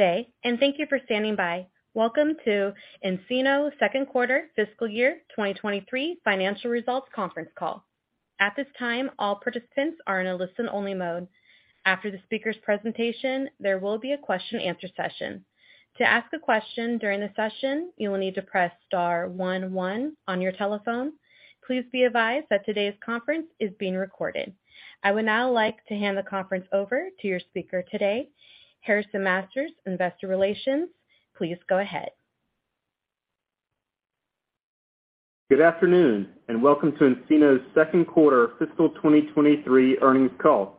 Good day, and thank you for standing by. Welcome to nCino second quarter fiscal year 2023 financial results conference call. At this time, all participants are in a listen-only mode. After the speaker's presentation, there will be a question and answer session. To ask a question during the session, you will need to press star one one on your telephone. Please be advised that today's conference is being recorded. I would now like to hand the conference over to your speaker today, Harrison Masters, Investor Relations. Please go ahead. Good afternoon, and welcome to nCino's second quarter fiscal 2023 earnings call.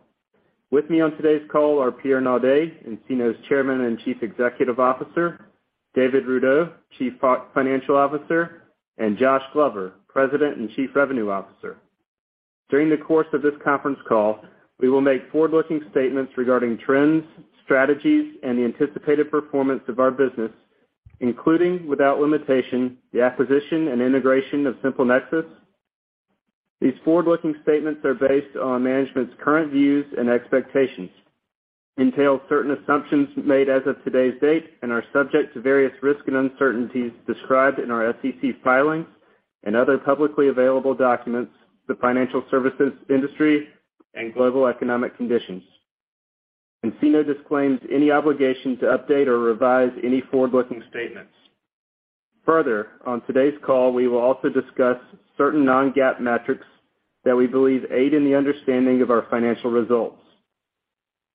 With me on today's call are Pierre Naudé, nCino's Chairman and Chief Executive Officer, David Rudow, Chief Financial Officer, and Josh Glover, President and Chief Revenue Officer. During the course of this conference call, we will make forward-looking statements regarding trends, strategies, and the anticipated performance of our business, including without limitation the acquisition and integration of SimpleNexus. These forward-looking statements are based on management's current views and expectations, entail certain assumptions made as of today's date and are subject to various risks and uncertainties described in our SEC filings and other publicly available documents, the financial services industry, and global economic conditions. nCino disclaims any obligation to update or revise any forward-looking statements. Further, on today's call we will also discuss certain non-GAAP metrics that we believe aid in the understanding of our financial results.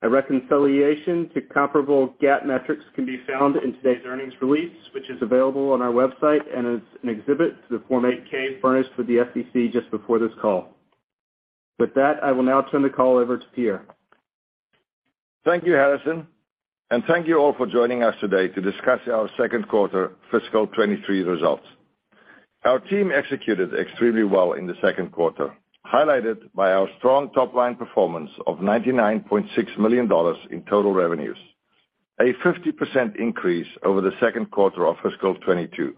A reconciliation to comparable GAAP metrics can be found in today's earnings release, which is available on our website and as an exhibit to the Form 8-K furnished with the SEC just before this call. With that, I will now turn the call over to Pierre. Thank you, Harrison, and thank you all for joining us today to discuss our second quarter fiscal 2023 results. Our team executed extremely well in the second quarter, highlighted by our strong top-line performance of $99.6 million in total revenues, a 50% increase over the second quarter of fiscal 2022,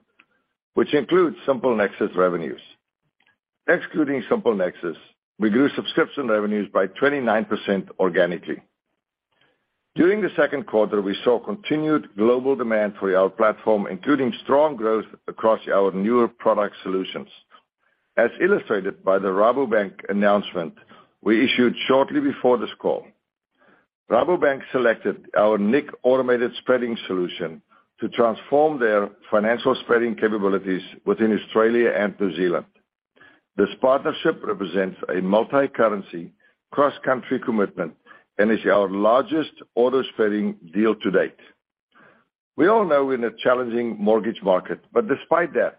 which includes SimpleNexus revenues. Excluding SimpleNexus, we grew subscription revenues by 29% organically. During the second quarter, we saw continued global demand for our platform, including strong growth across our newer product solutions. As illustrated by the Rabobank announcement we issued shortly before this call. Rabobank selected our nIQ Automated Spreading solution to transform their financial spreading capabilities within Australia and New Zealand. This partnership represents a multi-currency, cross-country commitment and is our largest Automated Spreading deal to date. We all know we're in a challenging mortgage market, but despite that,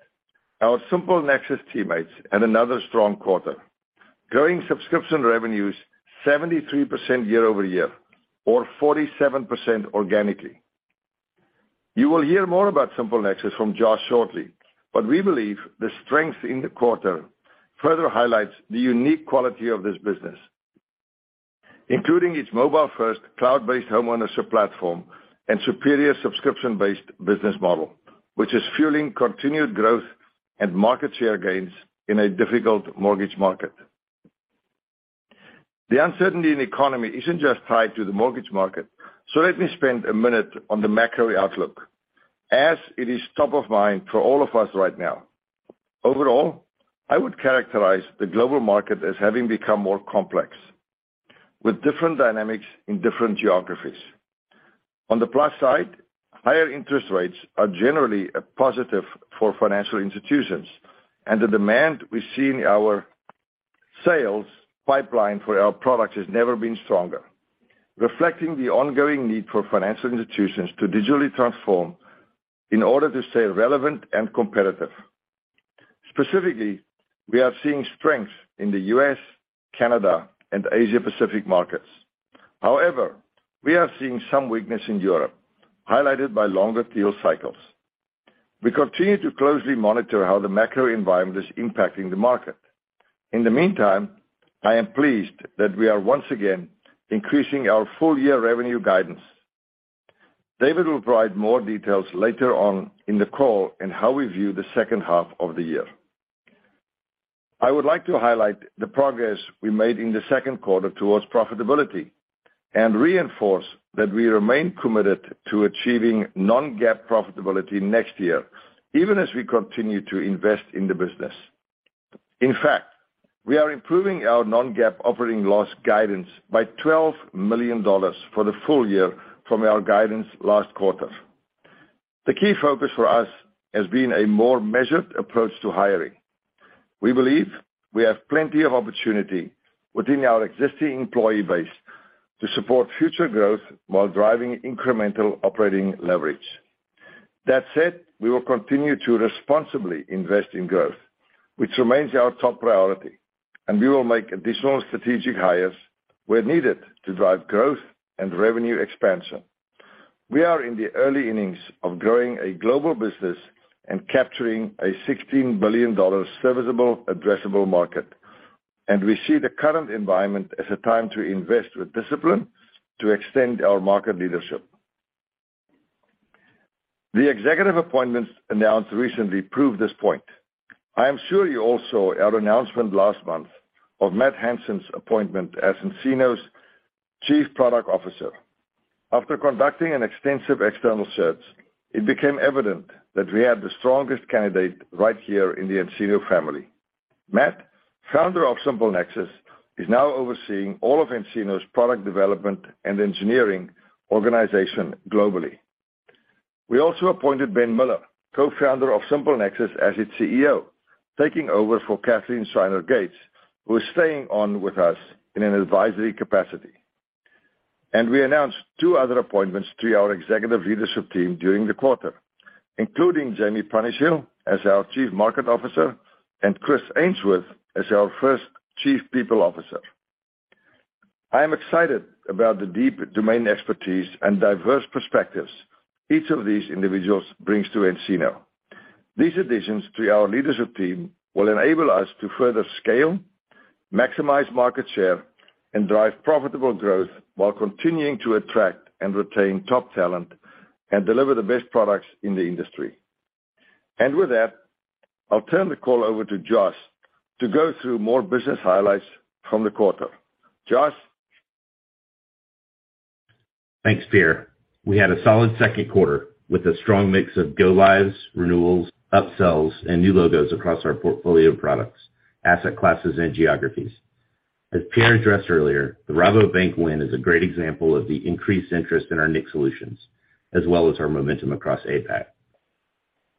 our SimpleNexus teammates had another strong quarter, growing subscription revenues 73% year-over-year or 47% organically. You will hear more about SimpleNexus from Josh shortly, but we believe the strength in the quarter further highlights the unique quality of this business, including its mobile-first cloud-based homeownership platform and superior subscription-based business model, which is fueling continued growth and market share gains in a difficult mortgage market. The uncertainty in the economy isn't just tied to the mortgage market, so let me spend a minute on the macro outlook as it is top of mind for all of us right now. Overall, I would characterize the global market as having become more complex, with different dynamics in different geographies. On the plus side, higher interest rates are generally a positive for financial institutions, and the demand we see in our sales pipeline for our products has never been stronger, reflecting the ongoing need for financial institutions to digitally transform in order to stay relevant and competitive. Specifically, we are seeing strength in the U.S., Canada, and Asia Pacific markets. However, we are seeing some weakness in Europe, highlighted by longer deal cycles. We continue to closely monitor how the macro environment is impacting the market. In the meantime, I am pleased that we are once again increasing our full year revenue guidance. David will provide more details later on in the call on how we view the second half of the year. I would like to highlight the progress we made in the second quarter towards profitability and reinforce that we remain committed to achieving non-GAAP profitability next year, even as we continue to invest in the business. In fact, we are improving our non-GAAP operating loss guidance by $12 million for the full year from our guidance last quarter. The key focus for us has been a more measured approach to hiring. We believe we have plenty of opportunity within our existing employee base to support future growth while driving incremental operating leverage. That said, we will continue to responsibly invest in growth, which remains our top priority, and we will make additional strategic hires where needed to drive growth and revenue expansion. We are in the early innings of growing a global business and capturing a $16 billion serviceable addressable market, and we see the current environment as a time to invest with discipline to extend our market leadership. The executive appointments announced recently prove this point. I am sure you also saw our announcement last month of Matthew Hansen's appointment as nCino's Chief Product Officer. After conducting an extensive external search, it became evident that we had the strongest candidate right here in the nCino family. Matt, founder of SimpleNexus, is now overseeing all of nCino's product development and engineering organization globally. We also appointed Ben Miller, co-founder of SimpleNexus, as its CEO, taking over for Cathleen Schreiner Gates, who is staying on with us in an advisory capacity. We announced two other appointments to our executive leadership team during the quarter, including Jaime Punishill as our Chief Market Officer, and Chris Ainsworth as our first Chief People Officer. I am excited about the deep domain expertise and diverse perspectives each of these individuals brings to nCino. These additions to our leadership team will enable us to further scale, maximize market share, and drive profitable growth while continuing to attract and retain top talent and deliver the best products in the industry. With that, I'll turn the call over to Josh to go through more business highlights from the quarter. Josh? Thanks, Pierre. We had a solid second quarter with a strong mix of go lives, renewals, up-sells, and new logos across our portfolio of products, asset classes, and geographies. As Pierre addressed earlier, the Rabobank win is a great example of the increased interest in our nCino solutions, as well as our momentum across APAC.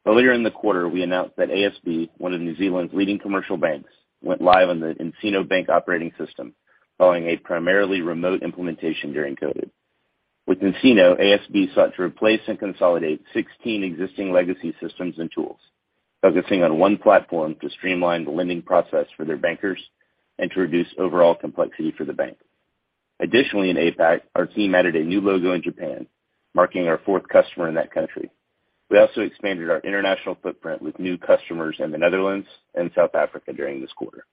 Earlier in the quarter, we announced that ASB, one of New Zealand's leading commercial banks, went live on the nCino Bank Operating System following a primarily remote implementation during COVID. With nCino, ASB sought to replace and consolidate 16 existing legacy systems and tools, focusing on one platform to streamline the lending process for their bankers and to reduce overall complexity for the bank. Additionally, in APAC, our team added a new logo in Japan, marking our fourth customer in that country. We also expanded our international footprint with new customers in the Netherlands and South Africa during this quarter.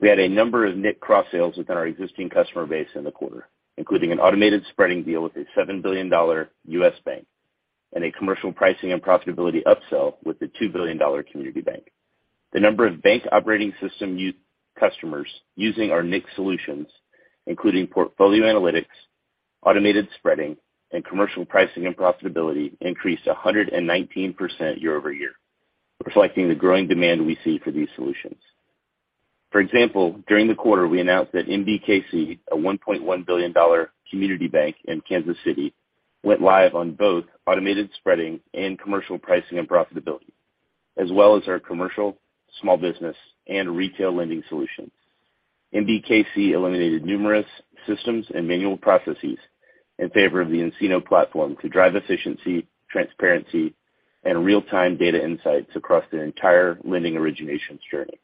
We had a number of nCino cross sales within our existing customer base in the quarter, including an Automated Spreading deal with a $7 billion US bank and a Commercial Pricing and Profitability up-sell with a $2 billion community bank. The number of Bank Operating System customers using our nCino solutions, including Portfolio Analytics, Automated Spreading, and Commercial Pricing and Profitability increased 119% year-over-year, reflecting the growing demand we see for these solutions. For example, during the quarter, we announced that nbkc bank, a $1.1 billion community bank in Kansas City, went live on both Automated Spreading and Commercial Pricing and Profitability, as well as our commercial, small business, and retail lending solutions. nbkc eliminated numerous systems and manual processes in favor of the nCino platform to drive efficiency, transparency, and real-time data insights across their entire lending originations journey.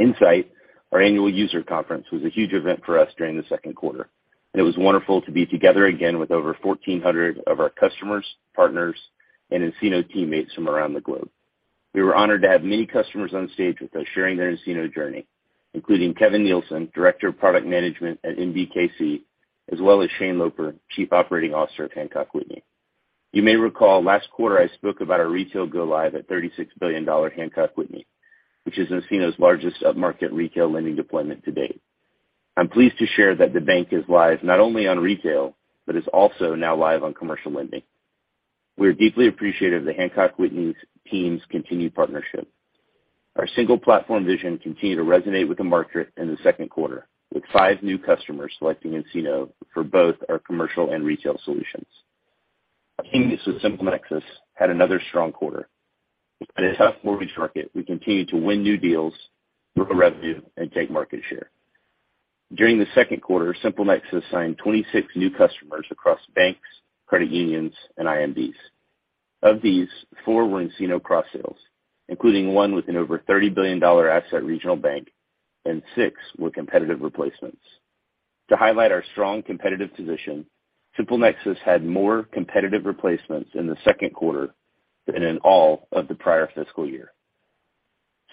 nSight, our annual user conference, was a huge event for us during the second quarter, and it was wonderful to be together again with over 1,400 of our customers, partners, and nCino teammates from around the globe. We were honored to have many customers on stage with us sharing their nCino journey, including Kevin Nielsen, Director of Product Management at nbkc, as well as Shane Loper, Chief Operating Officer of Hancock Whitney. You may recall last quarter I spoke about our retail go live at $36 billion Hancock Whitney, which is nCino's largest upmarket retail lending deployment to date. I'm pleased to share that the bank is live not only on retail, but is also now live on commercial lending. We are deeply appreciative of the Hancock Whitney's team's continued partnership. Our single platform vision continued to resonate with the market in the second quarter, with five new customers selecting nCino for both our commercial and retail solutions. Our team with SimpleNexus had another strong quarter. In a tough mortgage market, we continued to win new deals, grow revenue and take market share. During the second quarter, SimpleNexus signed 26 new customers across banks, credit unions, and IMBs. Of these, four were nCino cross sales, including one with an over $30 billion asset regional bank and six were competitive replacements. To highlight our strong competitive position, SimpleNexus had more competitive replacements in the second quarter than in all of the prior fiscal year.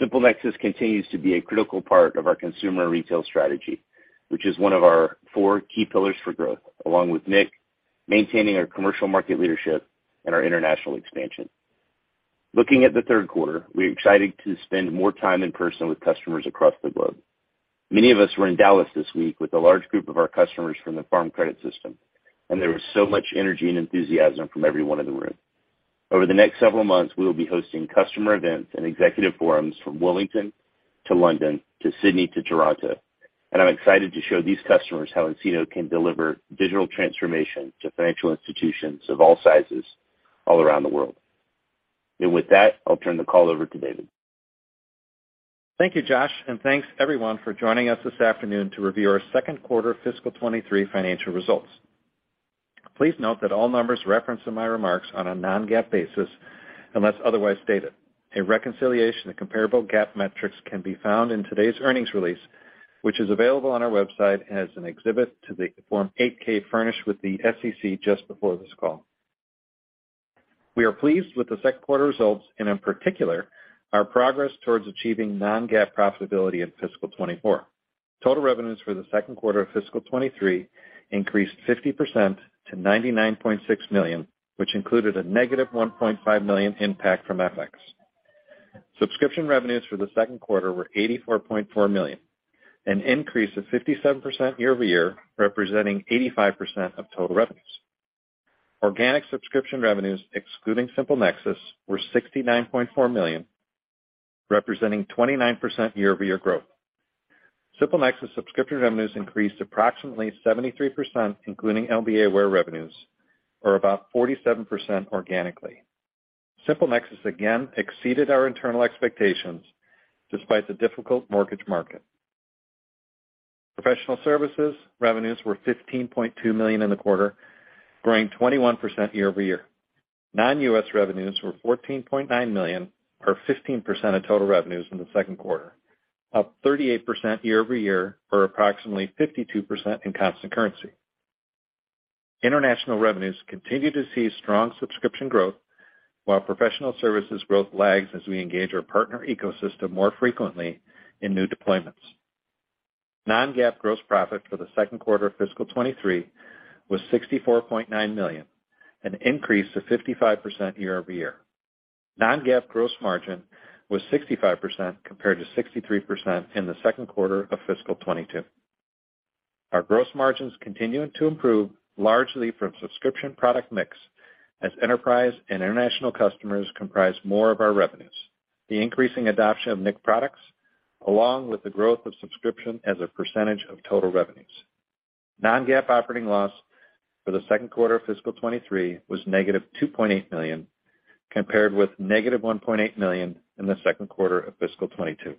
SimpleNexus continues to be a critical part of our consumer retail strategy, which is one of our four key pillars for growth, along with nCino, maintaining our commercial market leadership and our international expansion. Looking at the third quarter, we're excited to spend more time in person with customers across the globe. Many of us were in Dallas this week with a large group of our customers from the Farm Credit System, and there was so much energy and enthusiasm from everyone in the room. Over the next several months, we will be hosting customer events and executive forums from Wellington to London to Sydney to Toronto, and I'm excited to show these customers how nCino can deliver digital transformation to financial institutions of all sizes all around the world. With that, I'll turn the call over to David. Thank you, Josh, and thanks everyone for joining us this afternoon to review our second quarter fiscal 2023 financial results. Please note that all numbers referenced in my remarks are on a non-GAAP basis unless otherwise stated. A reconciliation of comparable GAAP metrics can be found in today's earnings release, which is available on our website as an exhibit to the Form 8-K furnished with the SEC just before this call. We are pleased with the second quarter results and in particular, our progress towards achieving non-GAAP profitability in fiscal 2024. Total revenues for the second quarter of fiscal 2023 increased 50% to $99.6 million, which included a -$1.5 million impact from FX. Subscription revenues for the second quarter were $84.4 million, an increase of 57% year-over-year, representing 85% of total revenues. Organic subscription revenues, excluding SimpleNexus, were $69.4 million, representing 29% year-over-year growth. SimpleNexus subscription revenues increased approximately 73%, including LBA Ware revenues or about 47% organically. SimpleNexus again exceeded our internal expectations despite the difficult mortgage market. Professional services revenues were $15.2 million in the quarter, growing 21% year-over-year. Non-U.S. revenues were $14.9 million or 15% of total revenues in the second quarter, up 38% year-over-year, or approximately 52% in constant currency. International revenues continue to see strong subscription growth, while professional services growth lags as we engage our partner ecosystem more frequently in new deployments. Non-GAAP gross profit for the second quarter of fiscal 2023 was $64.9 million, an increase of 55% year-over-year. Non-GAAP gross margin was 65% compared to 63% in the second quarter of fiscal 2022. Our gross margins continued to improve largely from subscription product mix as enterprise and international customers comprise more of our revenues. The increasing adoption of nCino products along with the growth of subscription as a percentage of total revenues. Non-GAAP operating loss for the second quarter of fiscal 2023 was -$2.8 million, compared with -$1.8 million in the second quarter of fiscal 2022.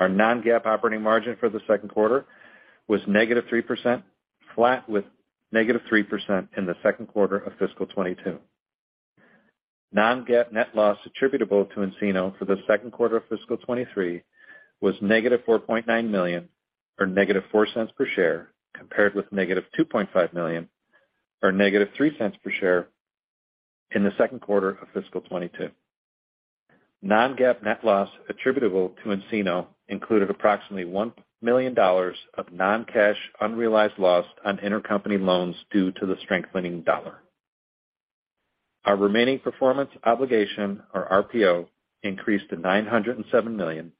Our non-GAAP operating margin for the second quarter was negative 3%, flat with negative 3% in the second quarter of fiscal 2022. Non-GAAP net loss attributable to nCino for the second quarter of fiscal 2023 was -$4.9 million, or -$0.04 per share, compared with -$2.5 million or negative $0.03 per share in the second quarter of fiscal 2022. Non-GAAP net loss attributable to nCino included approximately $1 million of non-cash unrealized loss on intercompany loans due to the strengthening dollar. Our remaining performance obligation, or RPO, increased to $907 million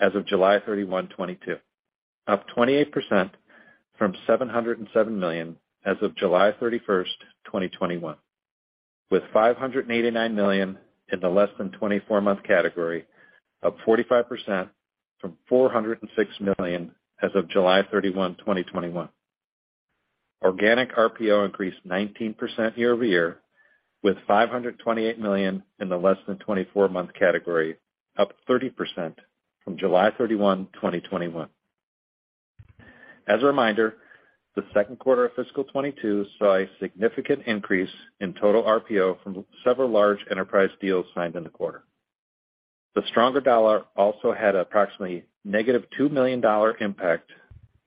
as of July 31, 2022, up 28% from $707 million as of July 31, 2021, with $589 million in the less than 24-month category, up 45% from $406 million as of July 31, 2021. Organic RPO increased 19% year-over-year, with $528 million in the less than 24-month category, up 30% from July 31, 2021. As a reminder, the second quarter of fiscal 2022 saw a significant increase in total RPO from several large enterprise deals signed in the quarter. The stronger dollar also had approximately -$2 million impact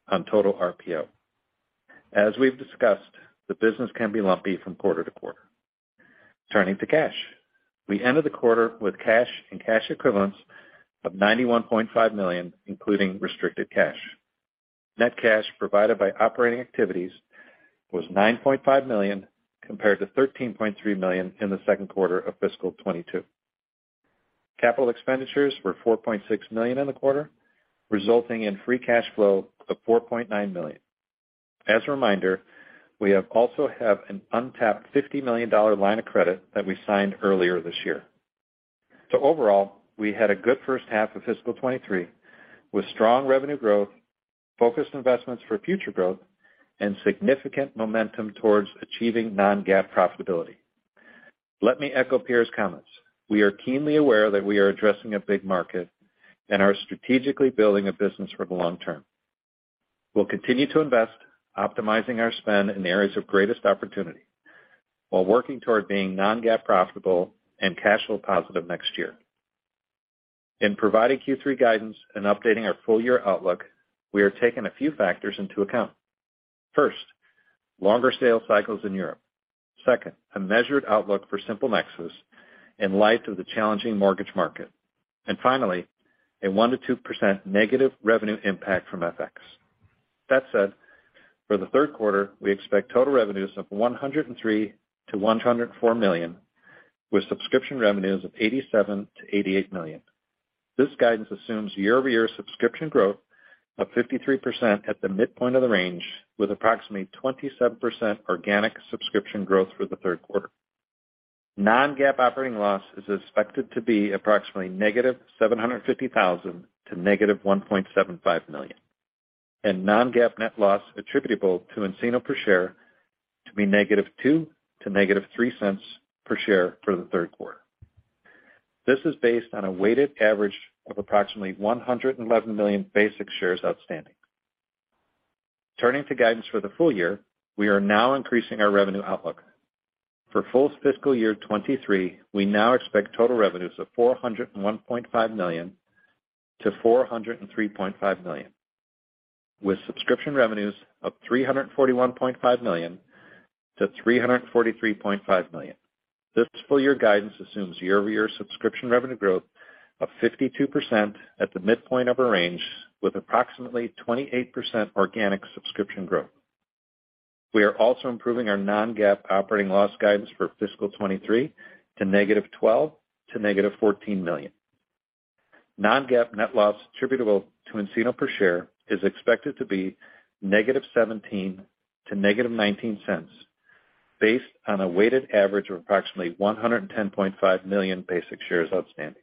on total RPO. As we've discussed, the business can be lumpy from quarter to quarter. Turning to cash. We ended the quarter with cash and cash equivalents of $91.5 million, including restricted cash. Net cash provided by operating activities was $9.5 million, compared to $13.3 million in the second quarter of fiscal 2022. Capital expenditures were $4.6 million in the quarter, resulting in free cash flow of $4.9 million. As a reminder, we also have an untapped $50 million line of credit that we signed earlier this year. Overall, we had a good first half of fiscal 2023, with strong revenue growth, focused investments for future growth, and significant momentum towards achieving non-GAAP profitability. Let me echo Pierre's comments. We are keenly aware that we are addressing a big market and are strategically building a business for the long term. We'll continue to invest, optimizing our spend in the areas of greatest opportunity while working toward being non-GAAP profitable and cash flow positive next year. In providing Q3 guidance and updating our full year outlook, we are taking a few factors into account. First, longer sales cycles in Europe. Second, a measured outlook for SimpleNexus in light of the challenging mortgage market. And finally, a 1%-2% negative revenue impact from FX. That said, for the third quarter, we expect total revenues of $103 million-$104 million, with subscription revenues of $87 million-$88 million. This guidance assumes year-over-year subscription growth of 53% at the midpoint of the range, with approximately 27% organic subscription growth for the third quarter. Non-GAAP operating loss is expected to be approximately -$750,000 to -$1.75 million, and non-GAAP net loss attributable to nCino per share to be -$0.02-$0.03 per share for the third quarter. This is based on a weighted average of approximately 111 million basic shares outstanding. Turning to guidance for the full year. We are now increasing our revenue outlook. For full fiscal year 2023, we now expect total revenues of $401.5 million-$403.5 million. With subscription revenues of $341.5 million to $343.5 million. This full year guidance assumes year-over-year subscription revenue growth of 52% at the midpoint of a range with approximately 28% organic subscription growth. We are also improving our non-GAAP operating loss guidance for fiscal 2023 to -$12 million to -$14 million. Non-GAAP net loss attributable to nCino per share is expected to be -$0.17 to -$0.19 based on a weighted average of approximately 110.5 million basic shares outstanding.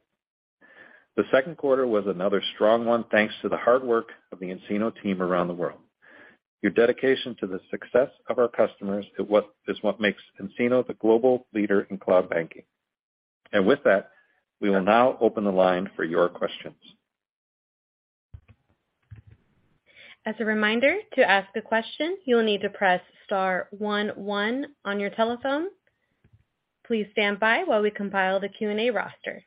The second quarter was another strong one, thanks to the hard work of the nCino team around the world. Your dedication to the success of our customers is what makes nCino the global leader in cloud banking. With that, we will now open the line for your questions. As a reminder, to ask a question, you'll need to press star one one on your telephone. Please stand by while we compile the Q&A roster.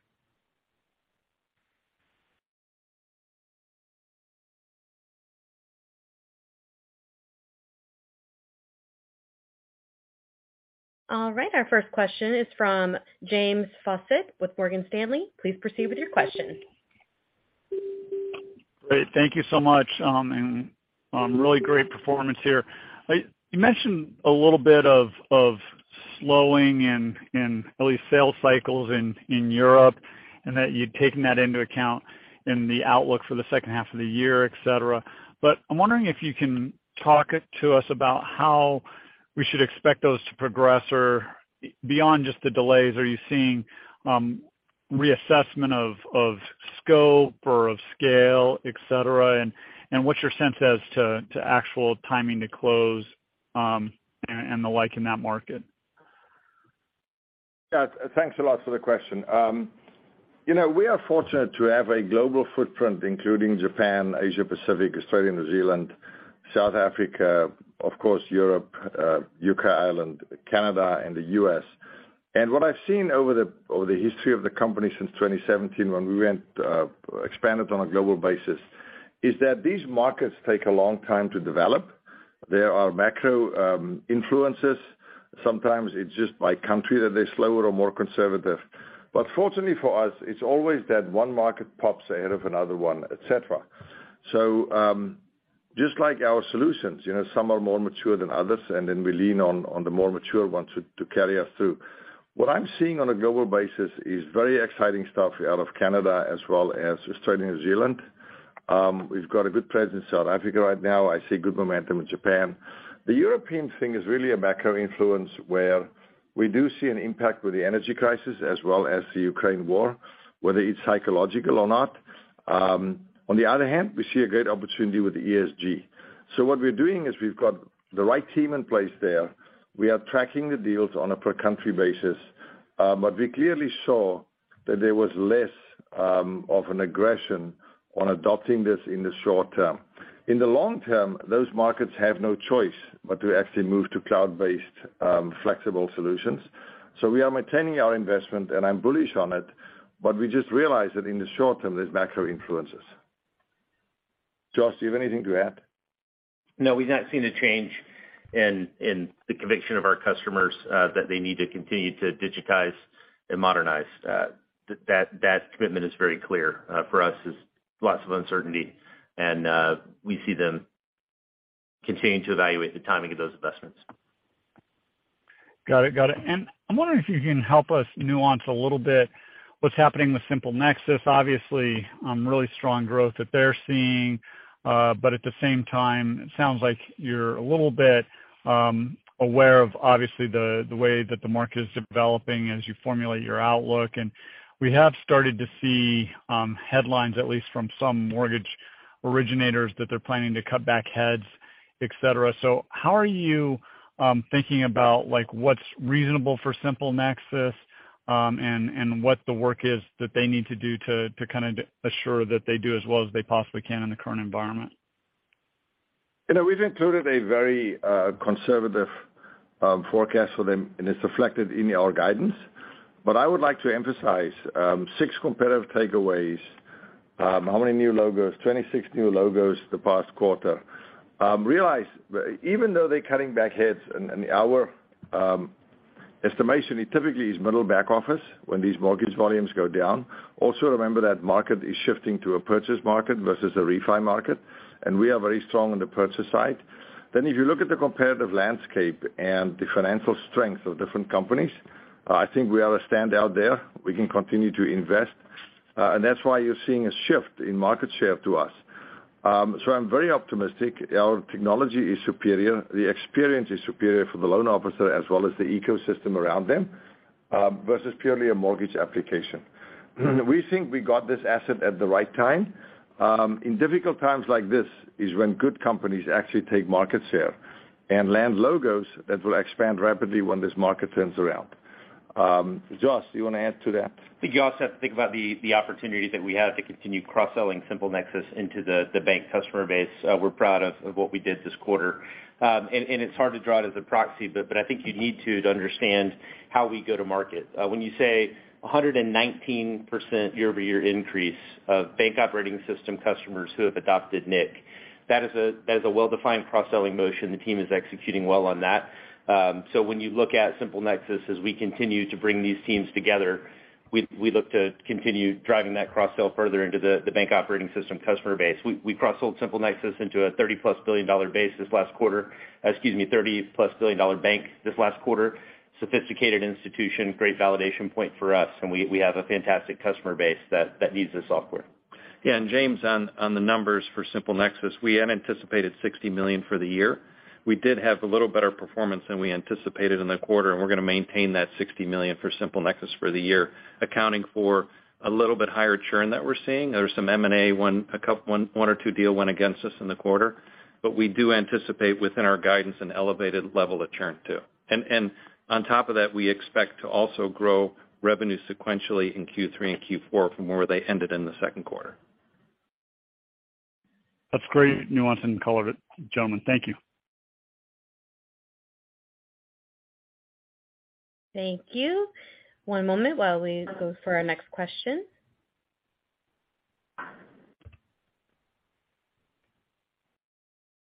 All right, our first question is from James Faucette with Morgan Stanley. Please proceed with your question. Great. Thank you so much, and really great performance here. You mentioned a little bit of slowing in early sales cycles in Europe, and that you'd taken that into account in the outlook for the second half of the year, et cetera. I'm wondering if you can talk to us about how we should expect those to progress or beyond just the delays, are you seeing reassessment of scope or of scale, et cetera? What's your sense as to actual timing to close, and the like in that market? Yeah. Thanks a lot for the question. You know, we are fortunate to have a global footprint, including Japan, Asia-Pacific, Australia, New Zealand, South Africa, of course, Europe, UK, Ireland, Canada, and the US. What I've seen over the history of the company since 2017 when we expanded on a global basis is that these markets take a long time to develop. There are macro influences. Sometimes it's just by country that they're slower or more conservative. Fortunately for us, it's always that one market pops ahead of another one, et cetera. Just like our solutions, you know, some are more mature than others, and then we lean on the more mature ones to carry us through. What I'm seeing on a global basis is very exciting stuff out of Canada as well as Australia and New Zealand. We've got a good presence in South Africa right now. I see good momentum in Japan. The European thing is really a macro influence where we do see an impact with the energy crisis as well as the Ukraine war, whether it's psychological or not. On the other hand, we see a great opportunity with the ESG. What we're doing is we've got the right team in place there. We are tracking the deals on a per country basis. We clearly saw that there was less of an aggression on adopting this in the short term. In the long term, those markets have no choice but to actually move to cloud-based flexible solutions. We are maintaining our investment and I'm bullish on it, but we just realize that in the short term, there's macro influences. Josh, do you have anything to add? No, we've not seen a change in the conviction of our customers that they need to continue to digitize and modernize. That commitment is very clear for us despite lots of uncertainty. We see them continuing to evaluate the timing of those investments. Got it. I'm wondering if you can help us nuance a little bit what's happening with SimpleNexus. Obviously, really strong growth that they're seeing, but at the same time, it sounds like you're a little bit aware of obviously the way that the market is developing as you formulate your outlook. We have started to see headlines, at least from some mortgage originators, that they're planning to cut back heads, et cetera. How are you thinking about like what's reasonable for SimpleNexus, and what the work is that they need to do to kinda assure that they do as well as they possibly can in the current environment? You know, we've included a very conservative forecast for them, and it's reflected in our guidance. I would like to emphasize six competitive takeaways. How many new logos? 26 new logos the past quarter. Realize even though they're cutting back heads and our estimation, it typically is middle back office when these mortgage volumes go down. Also, remember that market is shifting to a purchase market versus a refi market, and we are very strong on the purchase side. If you look at the competitive landscape and the financial strength of different companies, I think we are a standout there. We can continue to invest, and that's why you're seeing a shift in market share to us. I'm very optimistic. Our technology is superior, the experience is superior for the loan officer as well as the ecosystem around them, versus purely a mortgage application. We think we got this asset at the right time. In difficult times like this is when good companies actually take market share and land logos that will expand rapidly when this market turns around. Josh, do you want to add to that? I think you also have to think about the opportunity that we have to continue cross-selling SimpleNexus into the bank customer base. We're proud of what we did this quarter. It's hard to draw it as a proxy, but I think you need to understand how we go to market. When you say 119% year-over-year increase of Bank Operating System customers who have adopted nIQ, that is a well-defined cross-selling motion. The team is executing well on that. When you look at SimpleNexus, as we continue to bring these teams together, we look to continue driving that cross-sell further into the Bank Operating System customer base. We cross-sold SimpleNexus into a $30+ billion base this last quarter. Excuse me. $30+ billion bank this last quarter. Sophisticated institution, great validation point for us, and we have a fantastic customer base that needs this software. James, on the numbers for SimpleNexus, we had anticipated $60 million for the year. We did have a little better performance than we anticipated in the quarter, and we're gonna maintain that $60 million for SimpleNexus for the year, accounting for a little bit higher churn that we're seeing. There was some M&A, one or two deal went against us in the quarter. We do anticipate within our guidance an elevated level of churn too. On top of that, we expect to also grow revenue sequentially in Q3 and Q4 from where they ended in the second quarter. That's great nuance and color, gentlemen. Thank you. Thank you. One moment while we go for our next question.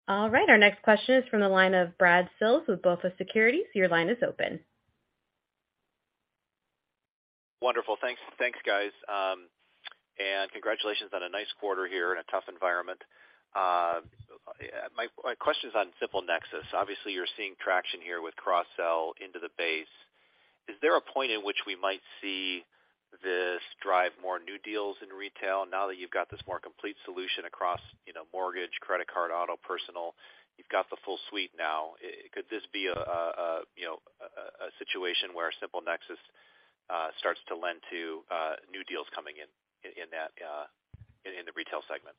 All right, our next question is from the line of Bradley Sills with BofA Securities. Your line is open. Wonderful. Thanks. Thanks, guys. Congratulations on a nice quarter here in a tough environment. My question's on SimpleNexus. Obviously, you're seeing traction here with cross-sell into the base. Is there a point in which we might see this drive more new deals in retail now that you've got this more complete solution across, you know, mortgage, credit card, auto, personal? You've got the full suite now. Could this be a, you know, a situation where SimpleNexus starts to lend to new deals coming in in that in the retail segment?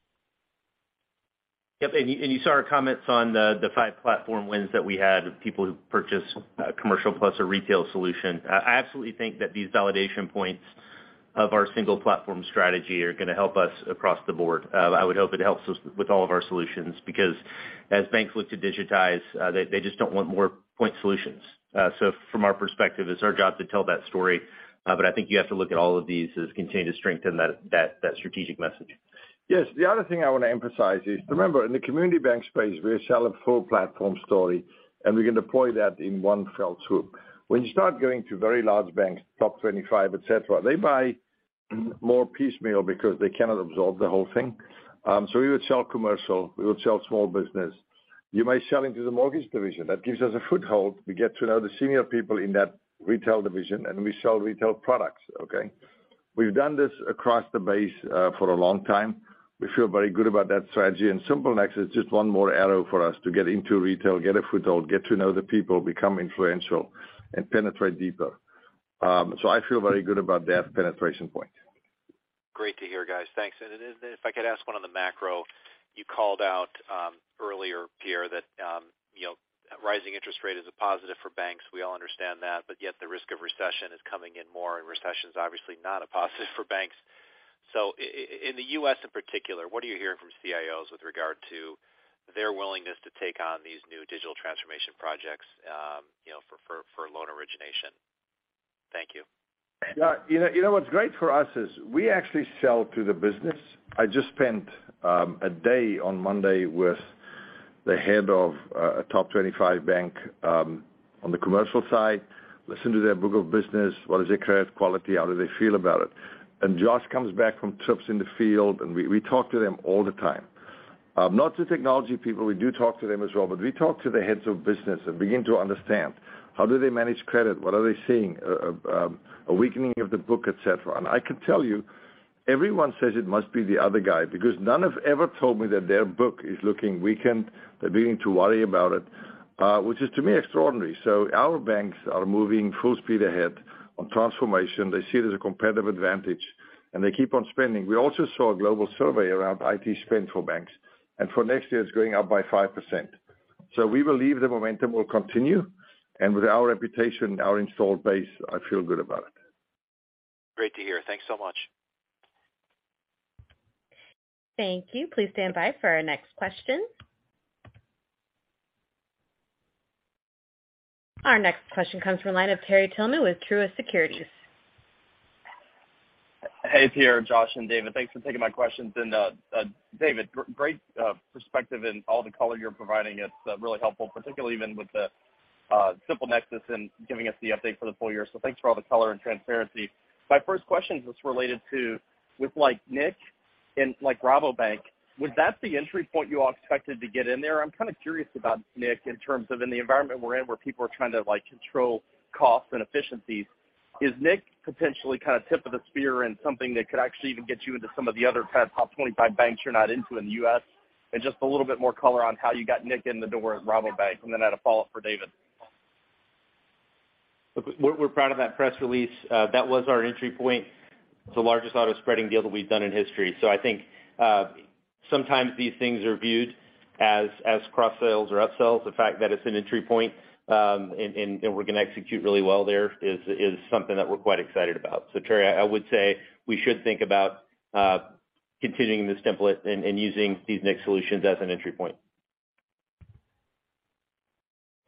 Yep. You saw our comments on the five platform wins that we had of people who purchased commercial plus a retail solution. I absolutely think that these validation points of our single platform strategy are gonna help us across the board. I would hope it helps us with all of our solutions because as banks look to digitize, they just don't want more point solutions. From our perspective, it's our job to tell that story, but I think you have to look at all of these as continue to strengthen that strategic message. Yes. The other thing I want to emphasize is, remember, in the community bank space, we sell a full platform story, and we can deploy that in one fell swoop. When you start going to very large banks, top 25, et cetera, they buy more piecemeal because they cannot absorb the whole thing. So we would sell commercial, we would sell small business. You may sell into the mortgage division. That gives us a foothold. We get to know the senior people in that retail division, and we sell retail products, okay? We've done this across the base for a long time. We feel very good about that strategy. SimpleNexus is just one more arrow for us to get into retail, get a foothold, get to know the people, become influential, and penetrate deeper. So I feel very good about that penetration point. Great to hear, guys. Thanks. If I could ask one on the macro. You called out earlier, Pierre, that you know, rising interest rate is a positive for banks. We all understand that. Yet the risk of recession is coming in more, and recession's obviously not a positive for banks. In the US in particular, what are you hearing from CIOs with regard to their willingness to take on these new digital transformation projects for loan origination? Thank you. Yeah. You know what's great for us is we actually sell to the business. I just spent a day on Monday with the head of a top 25 bank on the commercial side, listened to their book of business, what is their credit quality, how do they feel about it. Josh comes back from trips in the field, and we talk to them all the time. Not to technology people, we do talk to them as well, but we talk to the heads of business and begin to understand how do they manage credit? What are they seeing? A weakening of the book, et cetera. I can tell you, everyone says it must be the other guy because none have ever told me that their book is looking weakened. They're beginning to worry about it, which is to me extraordinary. Our banks are moving full speed ahead on transformation. They see it as a competitive advantage, and they keep on spending. We also saw a global survey around IT spend for banks, and for next year it's going up by 5%. We believe the momentum will continue, and with our reputation and our installed base, I feel good about it. Great to hear. Thanks so much. Our next question comes from the line of Terry Tillman with Truist Securities. Hey, Pierre, Josh, and David. Thanks for taking my questions. David, great perspective in all the color you're providing. It's really helpful, particularly even with the SimpleNexus and giving us the update for the full year. Thanks for all the color and transparency. My first question is just related to with like nIQ and like Rabobank, was that the entry point you all expected to get in there? I'm kind of curious about nIQ in terms of in the environment we're in where people are trying to like control costs and efficiencies. Is nIQ potentially kind of tip of the spear and something that could actually even get you into some of the other kind of top 25 banks you're not into in the US? Just a little bit more color on how you got nIQ in the door at Rabobank, and then I had a follow-up for David. Look, we're proud of that press release. That was our entry point. It's the largest Automated Spreading deal that we've done in history. I think, sometimes these things are viewed as cross sales or upsells. The fact that it's an entry point, and we're gonna execute really well there is something that we're quite excited about. Terry, I would say we should think about continuing this template and using these nCino solutions as an entry point.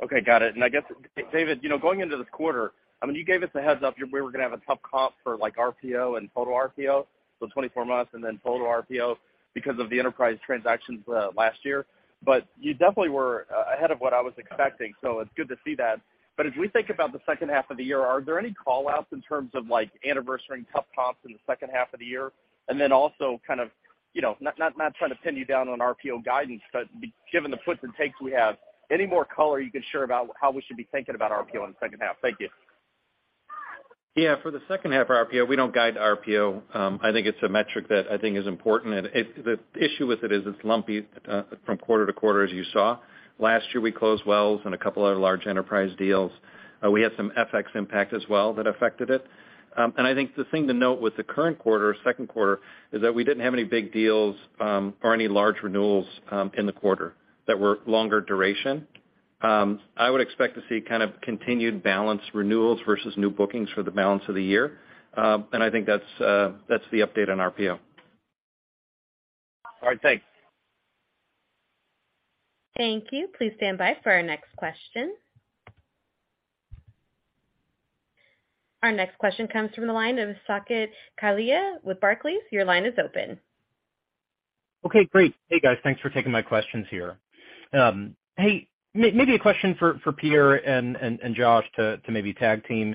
Okay, got it. I guess, David, you know, going into this quarter, I mean, you gave us a heads up we were gonna have a tough comp for like RPO and total RPO, so 24 months and then total RPO because of the enterprise transactions, last year. You definitely were ahead of what I was expecting, so it's good to see that. As we think about the second half of the year, are there any call-outs in terms of like anniversary and tough comps in the second half of the year? Then also kind of, you know, not trying to pin you down on RPO guidance, but given the puts and takes we have, any more color you can share about how we should be thinking about RPO in the second half? Thank you. Yeah. For the second half RPO, we don't guide RPO. I think it's a metric that I think is important. The issue with it is it's lumpy from quarter to quarter, as you saw. Last year, we closed Wells Fargo and a couple other large enterprise deals. We had some FX impact as well that affected it. I think the thing to note with the current quarter, second quarter, is that we didn't have any big deals or any large renewals in the quarter that were longer duration. I would expect to see kind of continued balance renewals versus new bookings for the balance of the year. I think that's the update on RPO. All right. Thanks. Our next question comes from the line of Saket Kalia with Barclays. Your line is open. Okay, great. Hey, guys. Thanks for taking my questions here. Hey, maybe a question for Pierre and Josh to maybe tag team.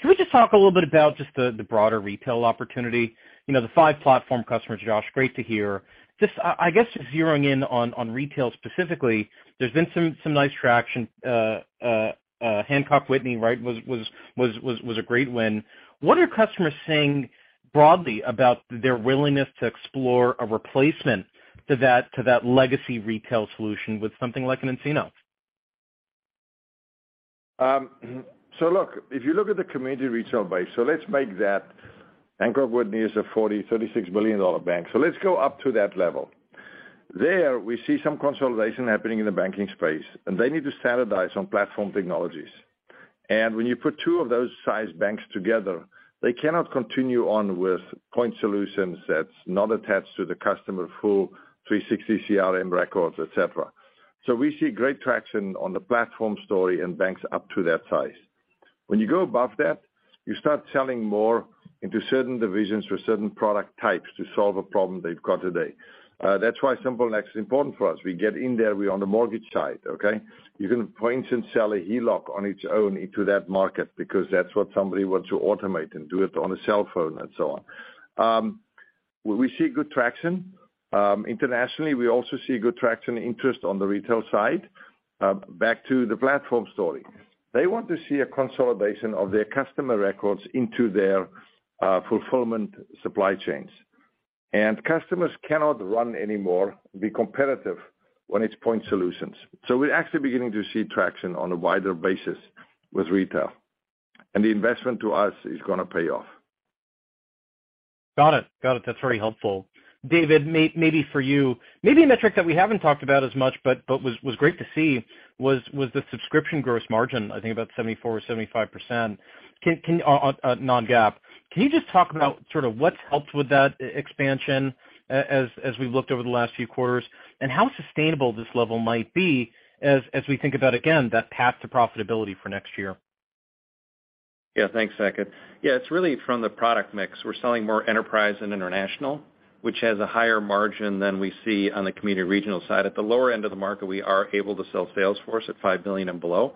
Can we just talk a little bit about just the broader retail opportunity? You know, the five platform customers, Josh, great to hear. Just I guess zeroing in on retail specifically, there's been some nice traction. Hancock Whitney, right, was a great win. What are customers saying broadly about their willingness to explore a replacement to that legacy retail solution with something like an nCino? Look, if you look at the community retail base, so let's make that Hancock Whitney is a $36 billion bank. Let's go up to that level. There, we see some consolidation happening in the banking space, and they need to standardize on platform technologies. When you put two of those size banks together, they cannot continue on with point solutions that's not attached to the customer full 360 CRM records, et cetera. We see great traction on the platform story and banks up to that size. When you go above that, you start selling more into certain divisions for certain product types to solve a problem they've got today. That's why SimpleNexus is important for us. We get in there, we're on the mortgage side, okay? You can, for instance, sell a HELOC on its own into that market because that's what somebody wants to automate and do it on a cell phone and so on. We see good traction. Internationally, we also see good traction interest on the retail side. Back to the platform story. They want to see a consolidation of their customer records into their fulfillment supply chains. Customers cannot run anymore, be competitive when it's point solutions. We're actually beginning to see traction on a wider basis with retail, and the investment to us is gonna pay off. Got it. That's very helpful. David, maybe for you. Maybe a metric that we haven't talked about as much but was great to see was the subscription gross margin, I think about 74% or 75%. non-GAAP. Can you just talk about sort of what's helped with that expansion, as we've looked over the last few quarters? How sustainable this level might be as we think about, again, that path to profitability for next year? Yeah. Thanks, Saket. Yeah, it's really from the product mix. We're selling more enterprise and international, which has a higher margin than we see on the community regional side. At the lower end of the market, we are able to sell Salesforce at $5 billion and below,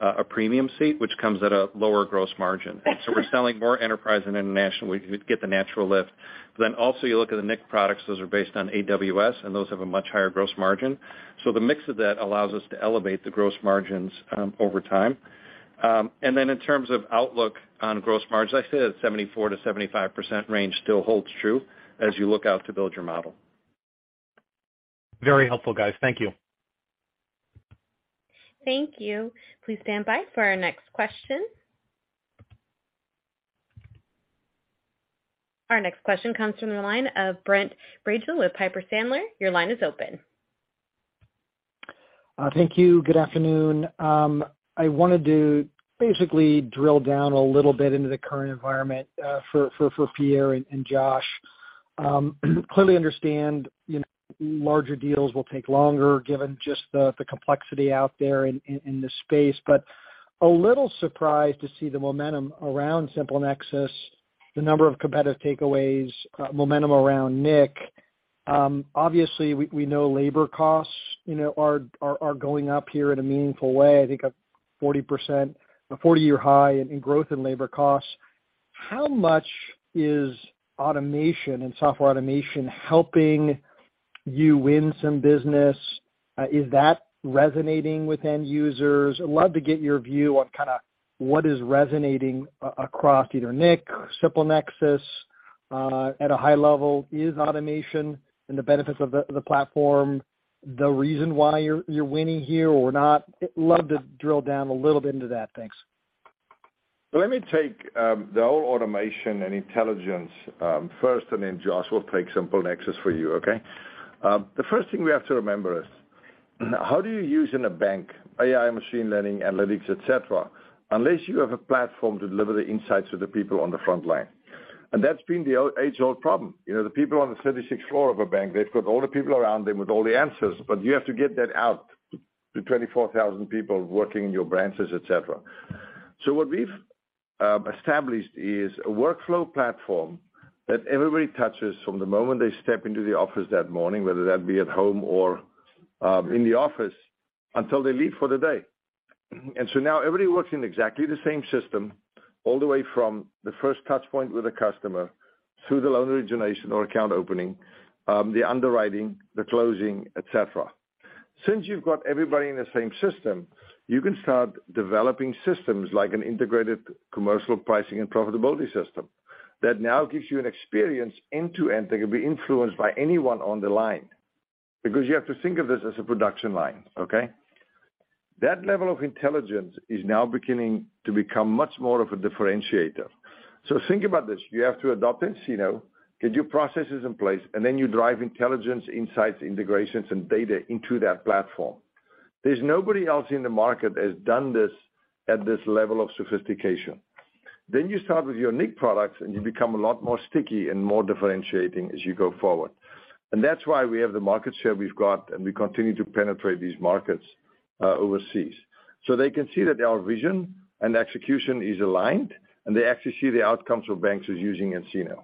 a premium seat, which comes at a lower gross margin. We're selling more enterprise and international. We get the natural lift. Then also you look at the nCino products, those are based on AWS, and those have a much higher gross margin. The mix of that allows us to elevate the gross margins over time. In terms of outlook on gross margins, I'd say that 74%-75% range still holds true as you look out to build your model. Very helpful, guys. Thank you. Thank you. Please stand by for our next question. Our next question comes from the line of Brent Bracelin with Piper Sandler. Your line is open. Thank you. Good afternoon. I wanted to basically drill down a little bit into the current environment, for Pierre and Josh. Clearly understand, you know, larger deals will take longer given just the complexity out there in this space, but a little surprised to see the momentum around SimpleNexus, the number of competitive takeaways, momentum around nCino. Obviously we know labor costs, you know, are going up here in a meaningful way. I think a 40%, a 40-year high in growth in labor costs. How much is automation and software automation helping you win some business? Is that resonating with end users? I'd love to get your view on kinda what is resonating across either nCino or SimpleNexus, at a high level. Is automation and the benefits of the platform the reason why you're winning here or not? Love to drill down a little bit into that. Thanks. Let me take the whole automation and intelligence first, and then Josh will take SimpleNexus for you. Okay? The first thing we have to remember is how do you use in a bank AI, machine learning, analytics, et cetera, unless you have a platform to deliver the insights to the people on the front line. That's been the age-old problem. You know, the people on the thirty-sixth floor of a bank, they've got all the people around them with all the answers, but you have to get that out to 24,000 people working in your branches, et cetera. What we've established is a workflow platform that everybody touches from the moment they step into the office that morning, whether that be at home or in the office, until they leave for the day. Now everybody works in exactly the same system all the way from the first touch point with a customer through the loan origination or account opening, the underwriting, the closing, et cetera. Since you've got everybody in the same system, you can start developing systems like an integrated Commercial Pricing and Profitability system that now gives you an experience end to end that can be influenced by anyone on the line. Because you have to think of this as a production line. Okay. That level of intelligence is now beginning to become much more of a differentiator. Think about this. You have to adopt nCino, get your processes in place, and then you drive intelligence, insights, integrations, and data into that platform. There's nobody else in the market that has done this at this level of sophistication. You start with your nIQ products, and you become a lot more sticky and more differentiating as you go forward. That's why we have the market share we've got, and we continue to penetrate these markets overseas. They can see that our vision and execution is aligned, and they actually see the outcomes of banks who's using nCino.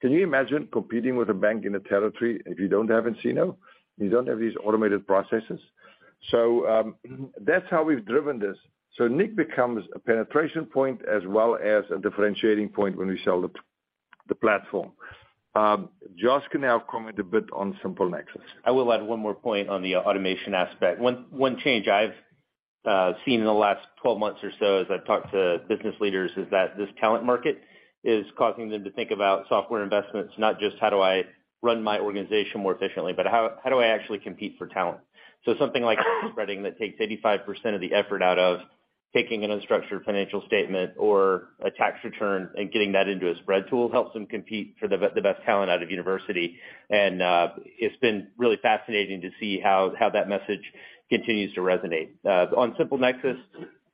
Can you imagine competing with a bank in a territory if you don't have nCino, you don't have these automated processes? That's how we've driven this. nIQ becomes a penetration point as well as a differentiating point when we sell the platform. Josh can now comment a bit on SimpleNexus. I will add one more point on the automation aspect. One change I've seen in the last 12 months or so as I've talked to business leaders is that this talent market is causing them to think about software investments, not just how do I run my organization more efficiently, but how do I actually compete for talent? Something like spreading that takes 85% of the effort out of taking an unstructured financial statement or a tax return and getting that into a spread tool helps them compete for the best talent out of university. It's been really fascinating to see how that message continues to resonate. On SimpleNexus,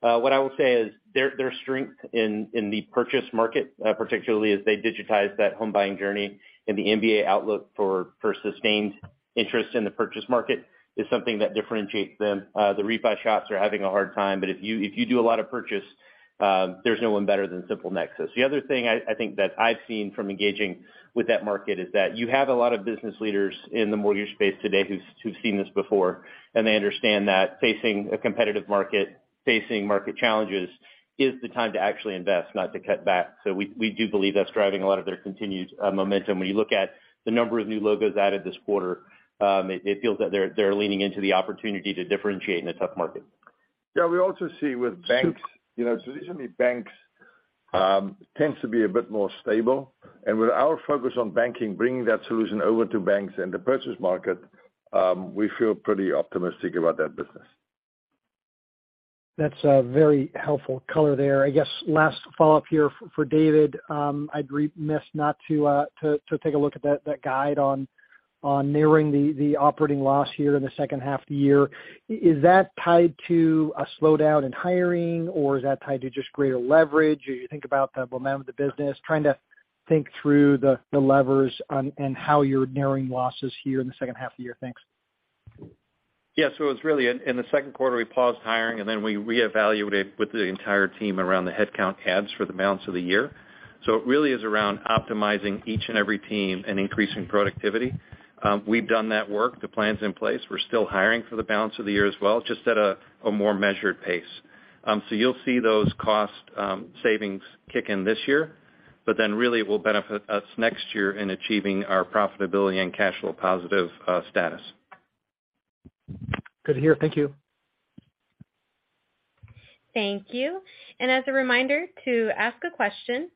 what I will say is their strength in the purchase market, particularly as they digitize that home buying journey and the MBA outlook for sustained interest in the purchase market, is something that differentiates them. The refi shops are having a hard time, but if you do a lot of purchase, there's no one better than SimpleNexus. The other thing I think that I've seen from engaging with that market is that you have a lot of business leaders in the mortgage space today who've seen this before, and they understand that facing a competitive market, facing market challenges is the time to actually invest, not to cut back. We do believe that's driving a lot of their continued momentum. When you look at the number of new logos added this quarter, it feels that they're leaning into the opportunity to differentiate in a tough market. Yeah, we also see with banks, you know, traditionally, banks tends to be a bit more stable. With our focus on banking, bringing that solution over to banks in the purchase market, we feel pretty optimistic about that business. That's a very helpful color there. I guess last follow-up here for David. I'd be remiss not to take a look at that guide on narrowing the operating loss here in the second half of the year. Is that tied to a slowdown in hiring, or is that tied to just greater leverage as you think about the momentum of the business? Trying to think through the levers and how you're narrowing losses here in the second half of the year. Thanks. Yeah. It's really in the second quarter, we paused hiring, and then we reevaluated with the entire team around the headcount adds for the balance of the year. It really is around optimizing each and every team and increasing productivity. We've done that work. The plan's in place. We're still hiring for the balance of the year as well, just at a more measured pace. You'll see those cost savings kick in this year, but then really it will benefit us next year in achieving our profitability and cash flow positive status. Good to hear. Thank you. Thank you. As a reminder, to ask a question,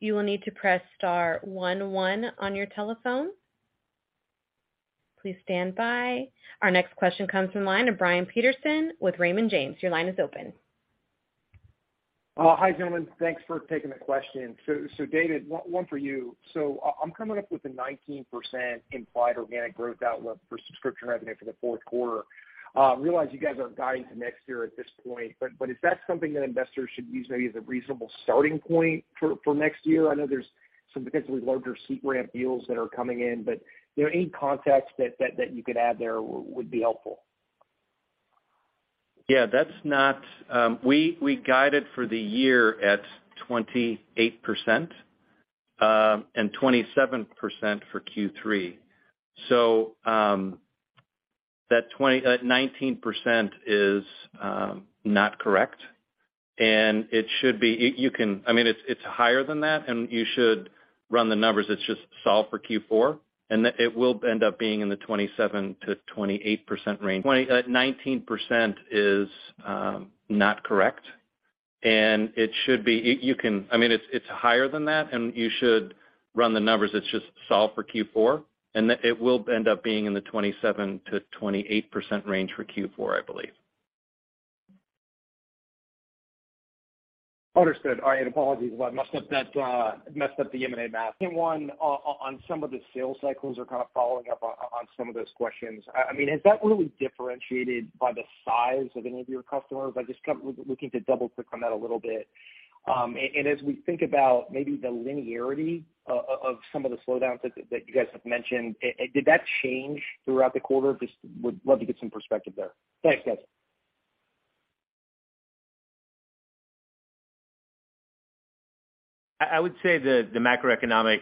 you will need to press star one one on your telephone. Please stand by. Our next question comes from the line of Brian Peterson with Raymond James. Your line is open. Hi, gentlemen. Thanks for taking the question. David, one for you. I'm coming up with a 19% implied organic growth outlook for subscription revenue for the fourth quarter. I realize you guys aren't guiding to next year at this point, but is that something that investors should use maybe as a reasonable starting point for next year? I know there's some potentially larger seat ramp deals that are coming in, but you know, any context that you could add there would be helpful. Yeah, that's not. We guided for the year at 28%, and 27% for Q3. That 19% is not correct. It should be. You can, I mean, it's higher than that, and you should run the numbers. It's just solve for Q4, and it will end up being in the 27%-28% range. 19% is not correct. I mean, it's higher than that, and you should run the numbers. It's just solve for Q4, and it will end up being in the 27%-28% range for Q4, I believe. Understood. All right, apologies. I messed up the M&A math. One, on some of the sales cycles or kind of following up on some of those questions. I mean, is that really differentiated by the size of any of your customers? I just kept looking to double-click on that a little bit. And as we think about maybe the linearity of some of the slowdowns that you guys have mentioned, did that change throughout the quarter? Just would love to get some perspective there. Thanks, guys. I would say the macroeconomic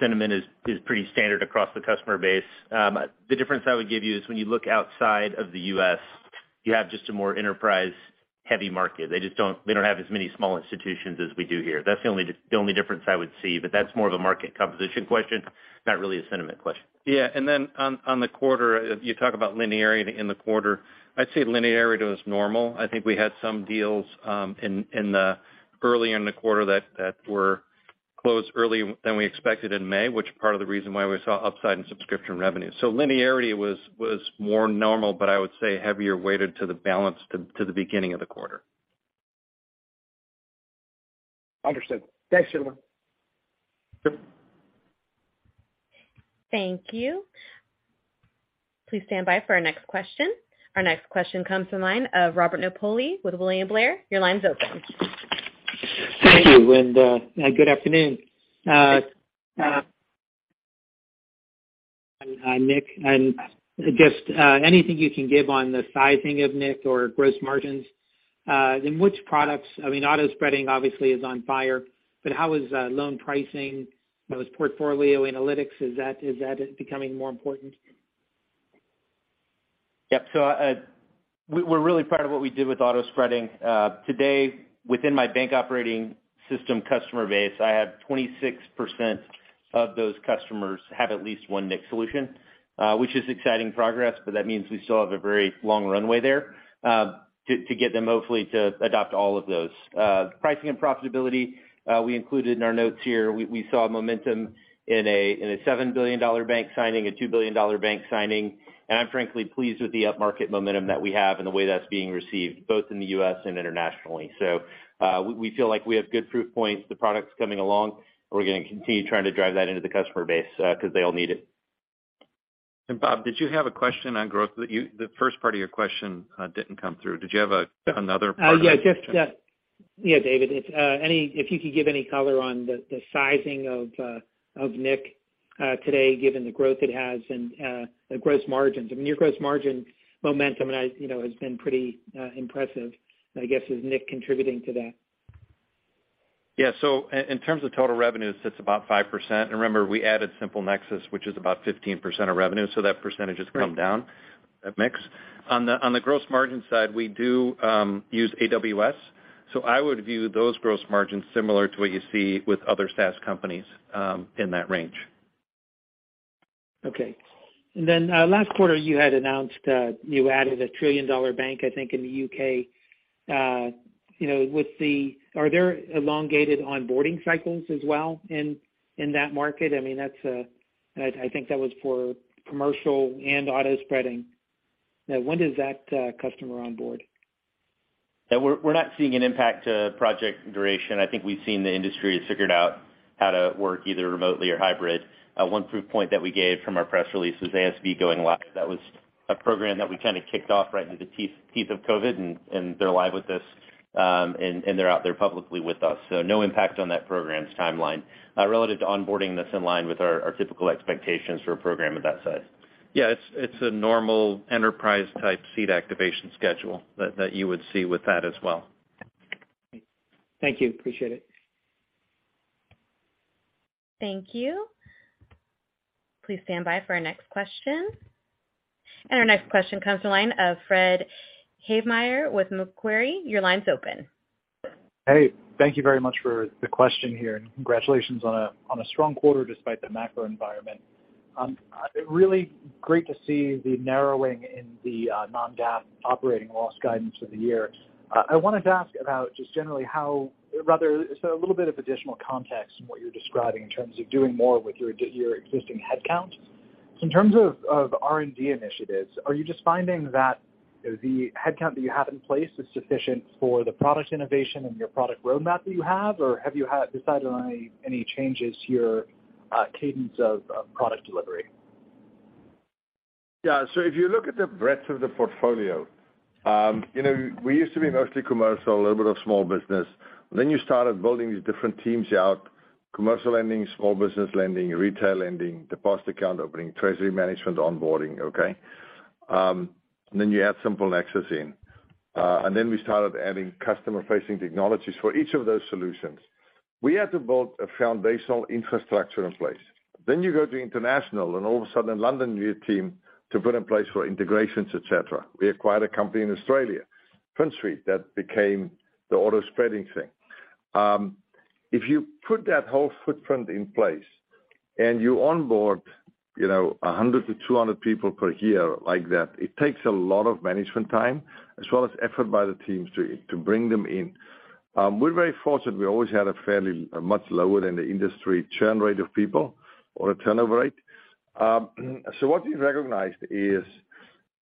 sentiment is pretty standard across the customer base. The difference I would give you is when you look outside of the US, you have just a more enterprise-heavy market. They don't have as many small institutions as we do here. That's the only difference I would see, but that's more of a market composition question, not really a sentiment question. Yeah. On the quarter, you talk about linearity in the quarter. I'd say linearity was normal. I think we had some deals early in the quarter that were closed earlier than we expected in May, which part of the reason why we saw upside in subscription revenue. Linearity was more normal, but I would say more heavily weighted to the beginning of the quarter. Understood. Thanks, gentlemen. Sure. Our next question comes to the line of Robert Napoli with William Blair. Your line's open. Thank you. Good afternoon. Nick, and just anything you can give on the sizing of nIQ or gross margins in which products? I mean, Automated Spreading obviously is on fire, but how is loan pricing? Mortgage Portfolio Analytics, is that becoming more important? Yep. We're really proud of what we did with Automated Spreading. Today, within my Bank Operating System customer base, I have 26% of those customers have at least one nIQ solution, which is exciting progress, but that means we still have a very long runway there, to get them hopefully to adopt all of those. Pricing and profitability, we included in our notes here. We saw momentum in a $7 billion bank signing, a $2 billion bank signing. I'm frankly pleased with the upmarket momentum that we have and the way that's being received, both in the U.S. and internationally. We feel like we have good proof points, the products coming along, and we're gonna continue trying to drive that into the customer base, 'cause they all need it. Bob, did you have a question on growth? The first part of your question didn't come through. Did you have a- Yeah. Another part? Yeah, just yeah, David, if you could give any color on the sizing of nIQ today, given the growth it has and the gross margins. I mean, your gross margin momentum and, you know, has been pretty impressive. I guess, is nIQ contributing to that? Yeah. In terms of total revenues, it's about 5%. Remember, we added SimpleNexus, which is about 15% of revenue, so that percentage has come down at mix. On the gross margin side, we do use AWS, so I would view those gross margins similar to what you see with other SaaS companies in that range. Okay. Then, last quarter, you had announced you added a trillion-dollar bank, I think in the U.K. You know, are there elongated onboarding cycles as well in that market? I mean, that's, I think that was for commercial and automated spreading. Now, when does that customer onboard? Yeah. We're not seeing an impact to project duration. I think we've seen the industry has figured out how to work either remotely or hybrid. One proof point that we gave from our press release was ASB going live. That was a program that we kind of kicked off right into the teeth of COVID, and they're live with us, and they're out there publicly with us. No impact on that program's timeline. Relative to onboarding, that's in line with our typical expectations for a program of that size. Yeah. It's a normal enterprise-type seed activation schedule that you would see with that as well. Thank you. Appreciate it. Our next question comes to the line of Fred Havemeyer with Macquarie. Your line's open. Hey. Thank you very much for the question here, and congratulations on a strong quarter despite the macro environment. Really great to see the narrowing in the non-GAAP operating loss guidance of the year. I wanted to ask about just generally. So a little bit of additional context in what you're describing in terms of doing more with your existing headcount. In terms of R&D initiatives, are you just finding that, you know, the headcount that you have in place is sufficient for the product innovation and your product roadmap that you have, or have you had decided on any changes to your cadence of product delivery? Yeah. If you look at the breadth of the portfolio, you know, we used to be mostly commercial, a little bit of small business. You started building these different teams out, commercial lending, small business lending, retail lending, Deposit Account Opening, Treasury Management, onboarding, okay? You add SimpleNexus in. We started adding customer-facing technologies for each of those solutions. We had to build a foundational infrastructure in place. You go to international, and all of a sudden London, new team to put in place for integrations, et cetera. We acquired a company in Australia, FinSuite, that became the Automated Spreading thing. If you put that whole footprint in place and you onboard, you know, 100-200 people per year like that. It takes a lot of management time as well as effort by the teams to bring them in. We're very fortunate. We always had a fairly much lower than the industry churn rate of people or a turnover rate. What we recognized is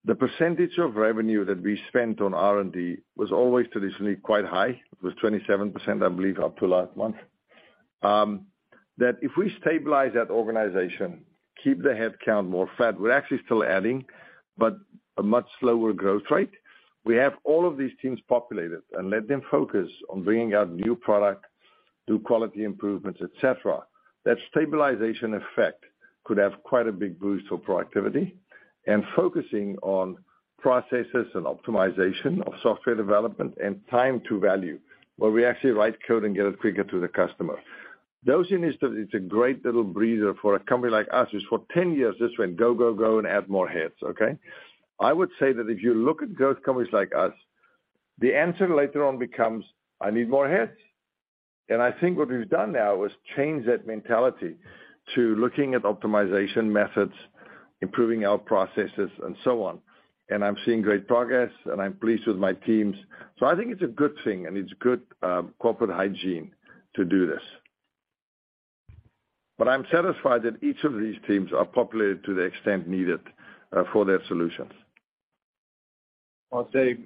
the percentage of revenue that we spent on R&D was always traditionally quite high. It was 27%, I believe, up to last month. That if we stabilize that organization, keep the headcount more flat, we're actually still adding, but a much slower growth rate. We have all of these teams populated and let them focus on bringing out new product, do quality improvements, et cetera. That stabilization effect could have quite a big boost for productivity and focusing on processes and optimization of software development and time to value, where we actually write code and get it quicker to the customer. Those industries, it's a great little breather for a company like us, just for 10 years, just went go, go, and add more heads, okay? I would say that if you look at growth companies like us, the answer later on becomes, "I need more heads." I think what we've done now is change that mentality to looking at optimization methods, improving our processes, and so on. I'm seeing great progress, and I'm pleased with my teams. I think it's a good thing, and it's good, corporate hygiene to do this. I'm satisfied that each of these teams are populated to the extent needed, for their solutions. I'll say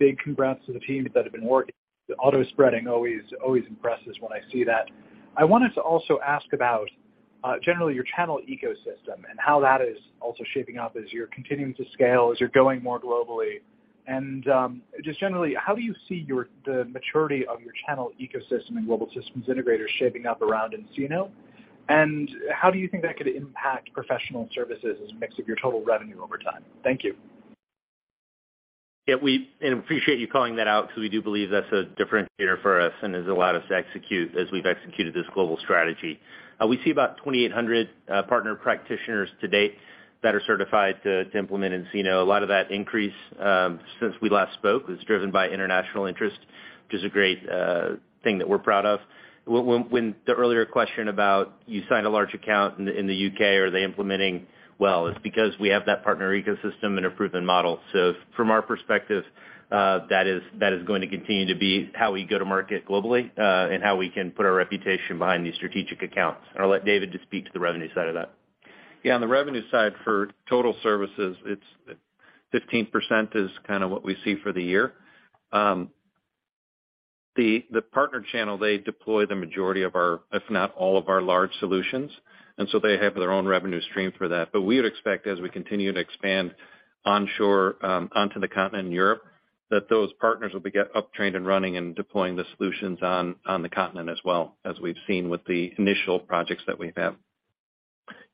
big congrats to the teams that have been working. The auto-spreading always impresses when I see that. I wanted to also ask about generally your channel ecosystem and how that is also shaping up as you're continuing to scale, as you're going more globally. Just generally, how do you see the maturity of your channel ecosystem and global systems integrators shaping up around nCino? How do you think that could impact professional services as a mix of your total revenue over time? Thank you. Yeah, we appreciate you calling that out because we do believe that's a differentiator for us and has allowed us to execute as we've executed this global strategy. We see about 2,800 partner practitioners to date that are certified to implement nCino. A lot of that increase since we last spoke was driven by international interest, which is a great thing that we're proud of. When the earlier question about you signed a large account in the UK are they implementing well, it's because we have that partner ecosystem and a proven model. From our perspective, that is going to continue to be how we go to market globally and how we can put our reputation behind these strategic accounts. I'll let David just speak to the revenue side of that. Yeah, on the revenue side for total services, it's 15%, kinda what we see for the year. The partner channel, they deploy the majority of our, if not all of our large solutions, and so they have their own revenue stream for that. We would expect as we continue to expand onshore onto the continent in Europe, that those partners will get up-trained and running and deploying the solutions on the continent as well, as we've seen with the initial projects that we've had.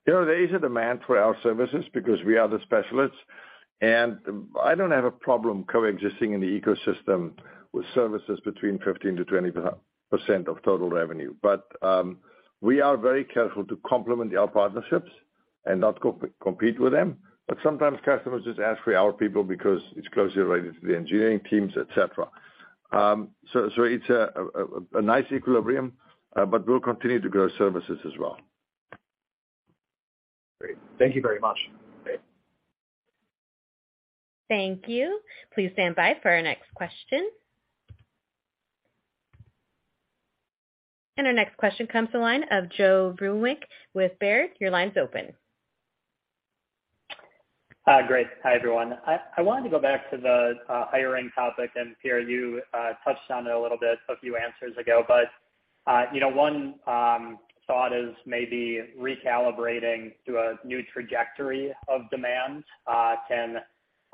You know, there is a demand for our services because we are the specialists, and I don't have a problem coexisting in the ecosystem with services between 15%-20% of total revenue. We are very careful to complement our partnerships and not compete with them. Sometimes customers just ask for our people because it's closely related to the engineering teams, et cetera. So it's a nice equilibrium, but we'll continue to grow services as well. Great. Thank you very much. Great. Our next question comes to the line of Joe Vruwink with Baird. Your line's open. Hi. Great. Hi, everyone. I wanted to go back to the hiring topic, and Pierre, you touched on it a little bit a few answers ago. You know, one thought is maybe recalibrating to a new trajectory of demand can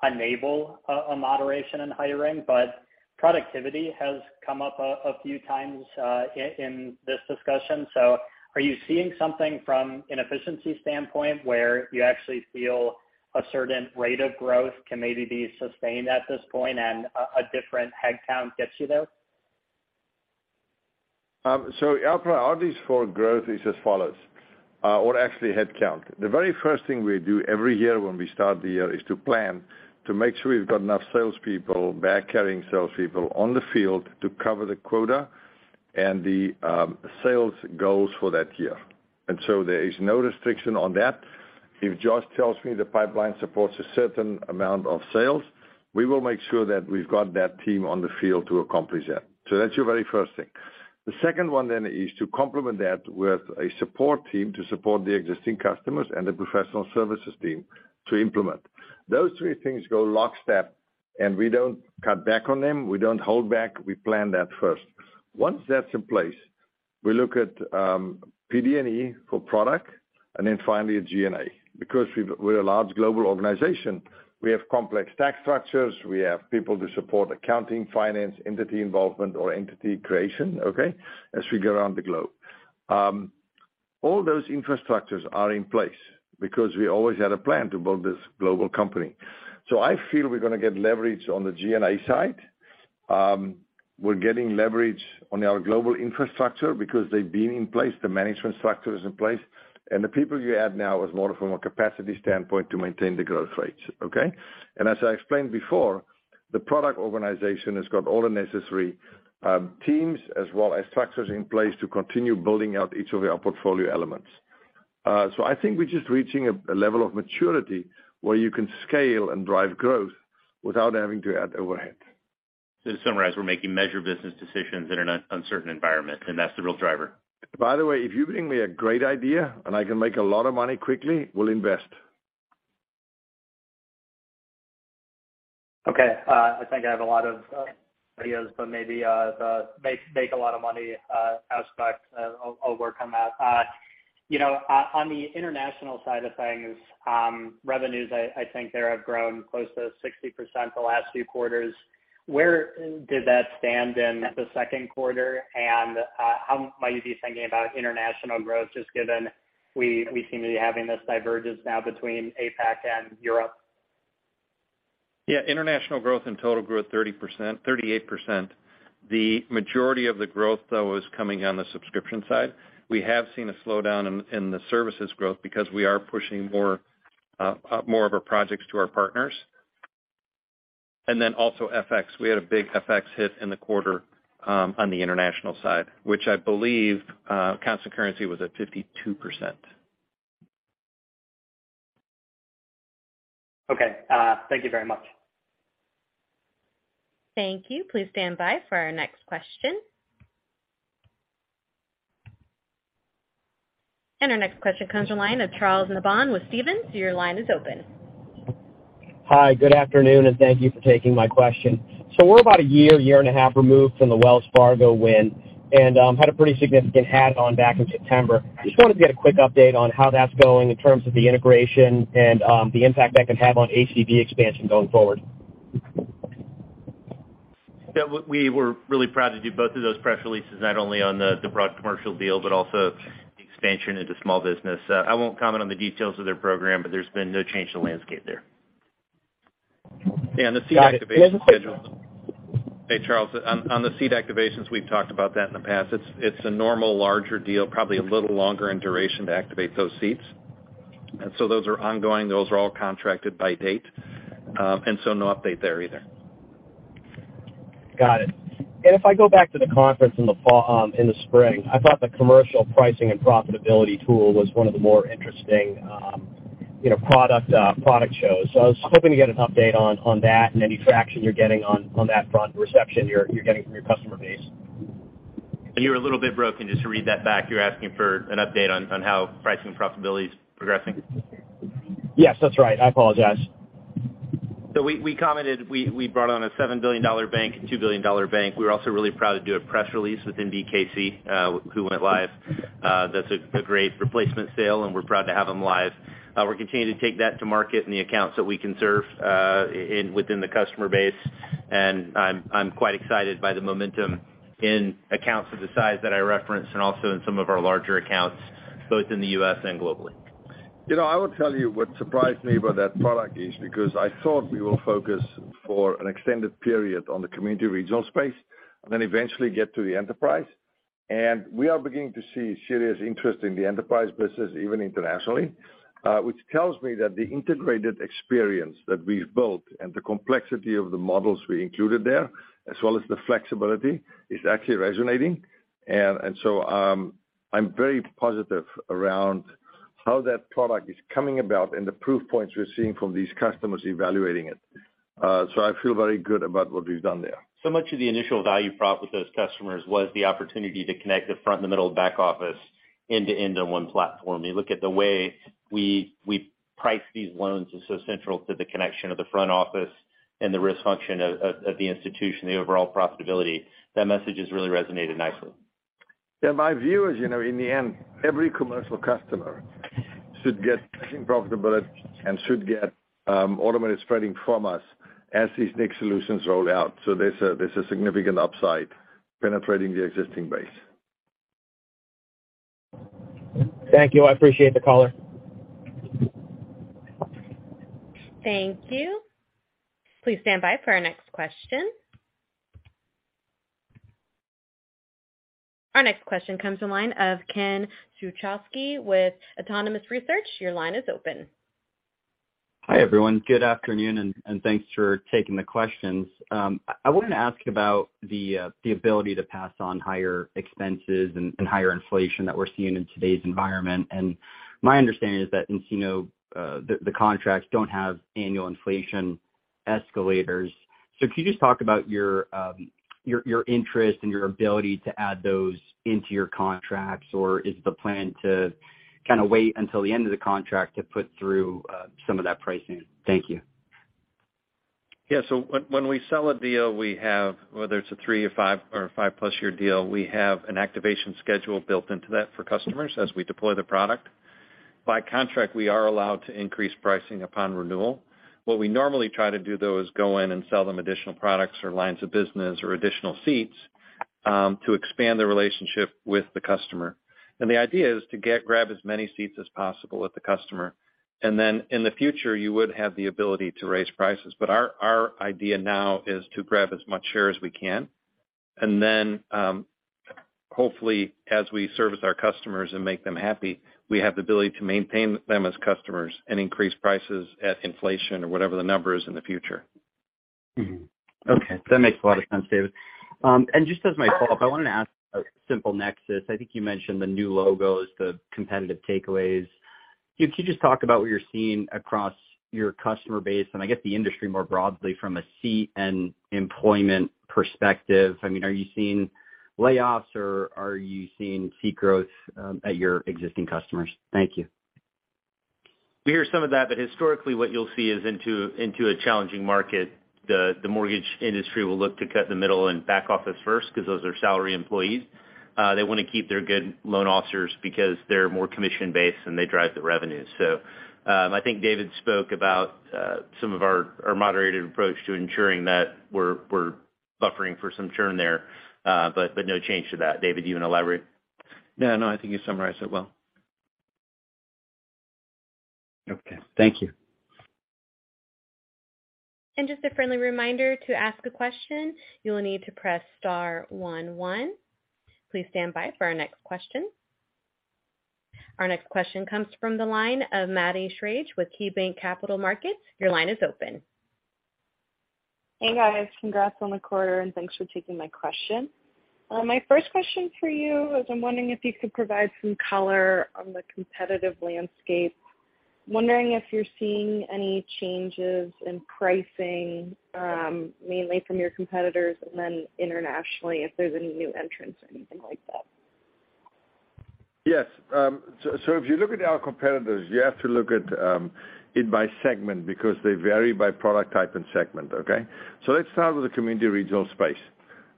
enable a moderation in hiring. Productivity has come up a few times in this discussion. Are you seeing something from an efficiency standpoint where you actually feel a certain rate of growth can maybe be sustained at this point and a different headcount gets you there? Our priorities for growth is as follows, or actually headcount. The very first thing we do every year when we start the year is to plan to make sure we've got enough salespeople, backfilling salespeople on the field to cover the quota and the sales goals for that year. There is no restriction on that. If Josh tells me the pipeline supports a certain amount of sales, we will make sure that we've got that team on the field to accomplish that. That's your very first thing. The second one then is to complement that with a support team to support the existing customers and the professional services team to implement. Those three things go lockstep, and we don't cut back on them. We don't hold back. We plan that first. Once that's in place, we look at PD&E for product, and then finally a G&A. Because we're a large global organization, we have complex tax structures, we have people to support accounting, finance, entity involvement or entity creation, okay, as we go around the globe. All those infrastructures are in place because we always had a plan to build this global company. I feel we're gonna get leverage on the G&A side. We're getting leverage on our global infrastructure because they've been in place, the management structure is in place, and the people you add now is more from a capacity standpoint to maintain the growth rates, okay? As I explained before. The product organization has got all the necessary teams as well as structures in place to continue building out each of our portfolio elements. I think we're just reaching a level of maturity where you can scale and drive growth without having to add overhead. To summarize, we're making measured business decisions in an uncertain environment, and that's the real driver. By the way, if you bring me a great idea and I can make a lot of money quickly, we'll invest. I think I have a lot of ideas, but maybe the make a lot of money aspect, I'll work on that. You know, on the international side of things, revenues, I think they have grown close to 60% the last few quarters. Where did that stand in the second quarter, and how might you be thinking about international growth, just given we seem to be having this divergence now between APAC and Europe? Yeah, international growth in total grew at 30%-38%. The majority of the growth, though, is coming on the subscription side. We have seen a slowdown in the services growth because we are pushing more of our projects to our partners. Also FX. We had a big FX hit in the quarter, on the international side, which I believe constant currency was at 52%. Okay. Thank you very much. Our next question comes in line of Charles Nabhan with Stephens. Your line is open. Hi, good afternoon, and thank you for taking my question. We're about a year and a half removed from the Wells Fargo win and had a pretty significant pat on the back in September. Just wanted to get a quick update on how that's going in terms of the integration and the impact that can have on HDB expansion going forward. Yeah, we were really proud to do both of those press releases, not only on the broad commercial deal, but also the expansion into small business. I won't comment on the details of their program, but there's been no change in the landscape there. Got it. Do you have a quick- Hey, Charles. On the seat activations, we've talked about that in the past. It's a normal larger deal, probably a little longer in duration to activate those seats. Those are ongoing. Those are all contracted by date, and so no update there either. Got it. If I go back to the conference in the fall, in the spring, I thought the Commercial Pricing and Profitability tool was one of the more interesting, you know, product shows. I was hoping to get an update on that and any traction you're getting on that front and reception you're getting from your customer base. You were a little bit broken. Just to read that back, you're asking for an update on how pricing and profitability is progressing? Yes, that's right. I apologize. We commented we brought on a $7 billion bank, a $2 billion bank. We're also really proud to do a press release with nbkc, who went live. That's a great replacement sale, and we're proud to have them live. We're continuing to take that to market in the accounts that we can serve, within the customer base, and I'm quite excited by the momentum in accounts of the size that I referenced and also in some of our larger accounts, both in the US and globally. You know, I will tell you what surprised me about that product is because I thought we will focus for an extended period on the community regional space, then eventually get to the enterprise. We are beginning to see serious interest in the enterprise business, even internationally, which tells me that the integrated experience that we've built and the complexity of the models we included there, as well as the flexibility, is actually resonating. I'm very positive around how that product is coming about and the proof points we're seeing from these customers evaluating it. I feel very good about what we've done there. Much of the initial value prop with those customers was the opportunity to connect the front and the middle back office end-to-end on one platform. You look at the way we price these loans is so central to the connection of the front office and the risk function of the institution, the overall profitability. That message has really resonated nicely. Yeah, my view is, you know, in the end, every commercial customer should get pricing profitability and should get automated spreading from us as these next solutions roll out. There's a significant upside penetrating the existing base. Thank you. I appreciate the call. Our next question comes in line of Ken Suchoski with Autonomous Research. Your line is open. Hi, everyone. Good afternoon, and thanks for taking the questions. I wanted to ask about the ability to pass on higher expenses and higher inflation that we're seeing in today's environment. My understanding is that nCino, the contracts don't have annual inflation escalators. Could you just talk about your interest and your ability to add those into your contracts, or is the plan to kinda wait until the end of the contract to put through some of that pricing? Thank you. Yeah. When we sell a deal, we have, whether it's a 3 or 5 or 5-plus year deal, we have an activation schedule built into that for customers as we deploy the product. By contract, we are allowed to increase pricing upon renewal. What we normally try to do, though, is go in and sell them additional products or lines of business or additional seats to expand the relationship with the customer. The idea is to grab as many seats as possible with the customer. Then in the future, you would have the ability to raise prices. Our idea now is to grab as much share as we can, and then Hopefully, as we service our customers and make them happy, we have the ability to maintain them as customers and increase prices at inflation or whatever the number is in the future. Mm-hmm. Okay. That makes a lot of sense, David. Just as my follow-up, I wanted to ask about SimpleNexus. I think you mentioned the new logos, the competitive takeaways. Could you just talk about what you're seeing across your customer base and I guess the industry more broadly from a seat and employment perspective? I mean, are you seeing layoffs or are you seeing seat growth at your existing customers? Thank you. We hear some of that, but historically what you'll see is into a challenging market, the mortgage industry will look to cut the middle and back office first because those are salary employees. They wanna keep their good loan officers because they're more commission-based, and they drive the revenue. I think David spoke about some of our moderated approach to ensuring that we're buffering for some churn there, but no change to that. David, do you wanna elaborate? No, no, I think you summarized it well. Okay. Thank you. Our next question comes from the line of Maddie Schrage with KeyBanc Capital Markets. Your line is open. Hey, guys. Congrats on the quarter, and thanks for taking my question. My first question for you is I'm wondering if you could provide some color on the competitive landscape. Wondering if you're seeing any changes in pricing, mainly from your competitors and then internationally, if there's any new entrants or anything like that. Yes. If you look at our competitors, you have to look at it by segment because they vary by product type and segment. Okay? Let's start with the community regional space.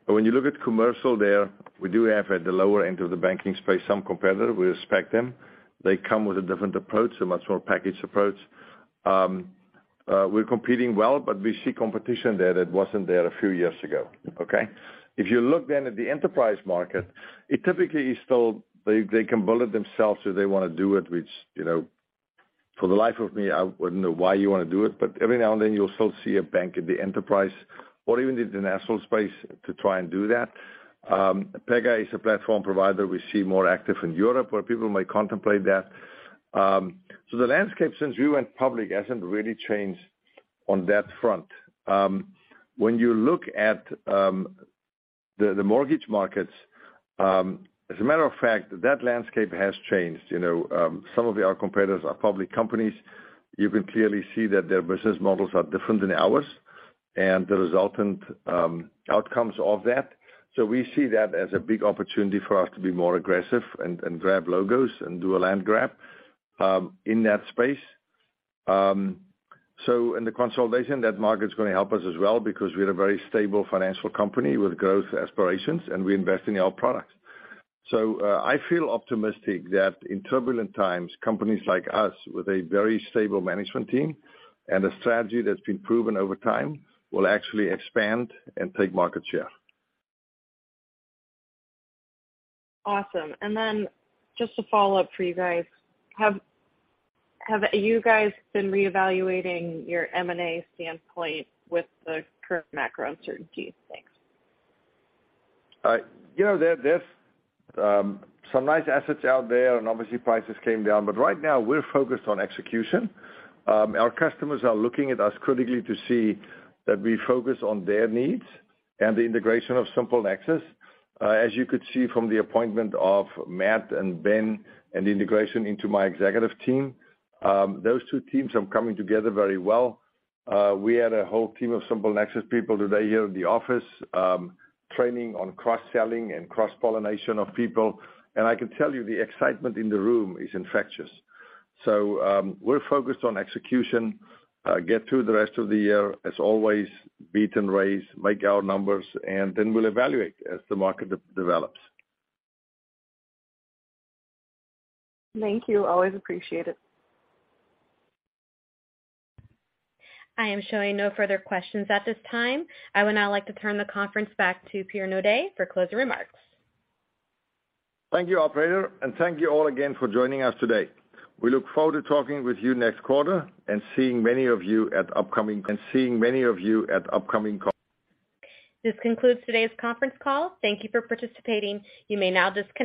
When you look at commercial there, we do have at the lower end of the banking space some competitor. We respect them. They come with a different approach, a much more packaged approach. We're competing well, but we see competition there that wasn't there a few years ago. Okay? If you look at the enterprise market, it typically is still they can build it themselves if they wanna do it, which, you know, for the life of me, I wouldn't know why you wanna do it, but every now and then, you'll still see a bank in the enterprise or even in the national space to try and do that. Pegasystems is a platform provider we see more active in Europe where people may contemplate that. The landscape since we went public hasn't really changed on that front. When you look at the mortgage markets, as a matter of fact, that landscape has changed. You know, some of our competitors are public companies. You can clearly see that their business models are different than ours and the resultant outcomes of that. We see that as a big opportunity for us to be more aggressive and grab logos and do a land grab in that space. In the consolidation, that market's gonna help us as well because we're a very stable financial company with growth aspirations, and we invest in our products. I feel optimistic that in turbulent times, companies like us with a very stable management team and a strategy that's been proven over time will actually expand and take market share. Awesome. Just a follow-up for you guys. Have you guys been reevaluating your M&A standpoint with the current macro uncertainty? Thanks. You know, there's some nice assets out there, and obviously prices came down, but right now we're focused on execution. Our customers are looking at us critically to see that we focus on their needs and the integration of SimpleNexus. As you could see from the appointment of Matt and Ben and the integration into my executive team, those two teams are coming together very well. We had a whole team of SimpleNexus people today here in the office, training on cross-selling and cross-pollination of people. I can tell you the excitement in the room is infectious. We're focused on execution, get through the rest of the year as always, beat and raise, make our numbers, and then we'll evaluate as the market develops. Thank you. Always appreciate it. I am showing no further questions at this time. I would now like to turn the conference back to Pierre Naudé for closing remarks. Thank you, Operator, and thank you all again for joining us today. We look forward to talking with you next quarter and seeing many of you at upcoming con- This concludes today's conference call. Thank you for participating. You may now disconnect.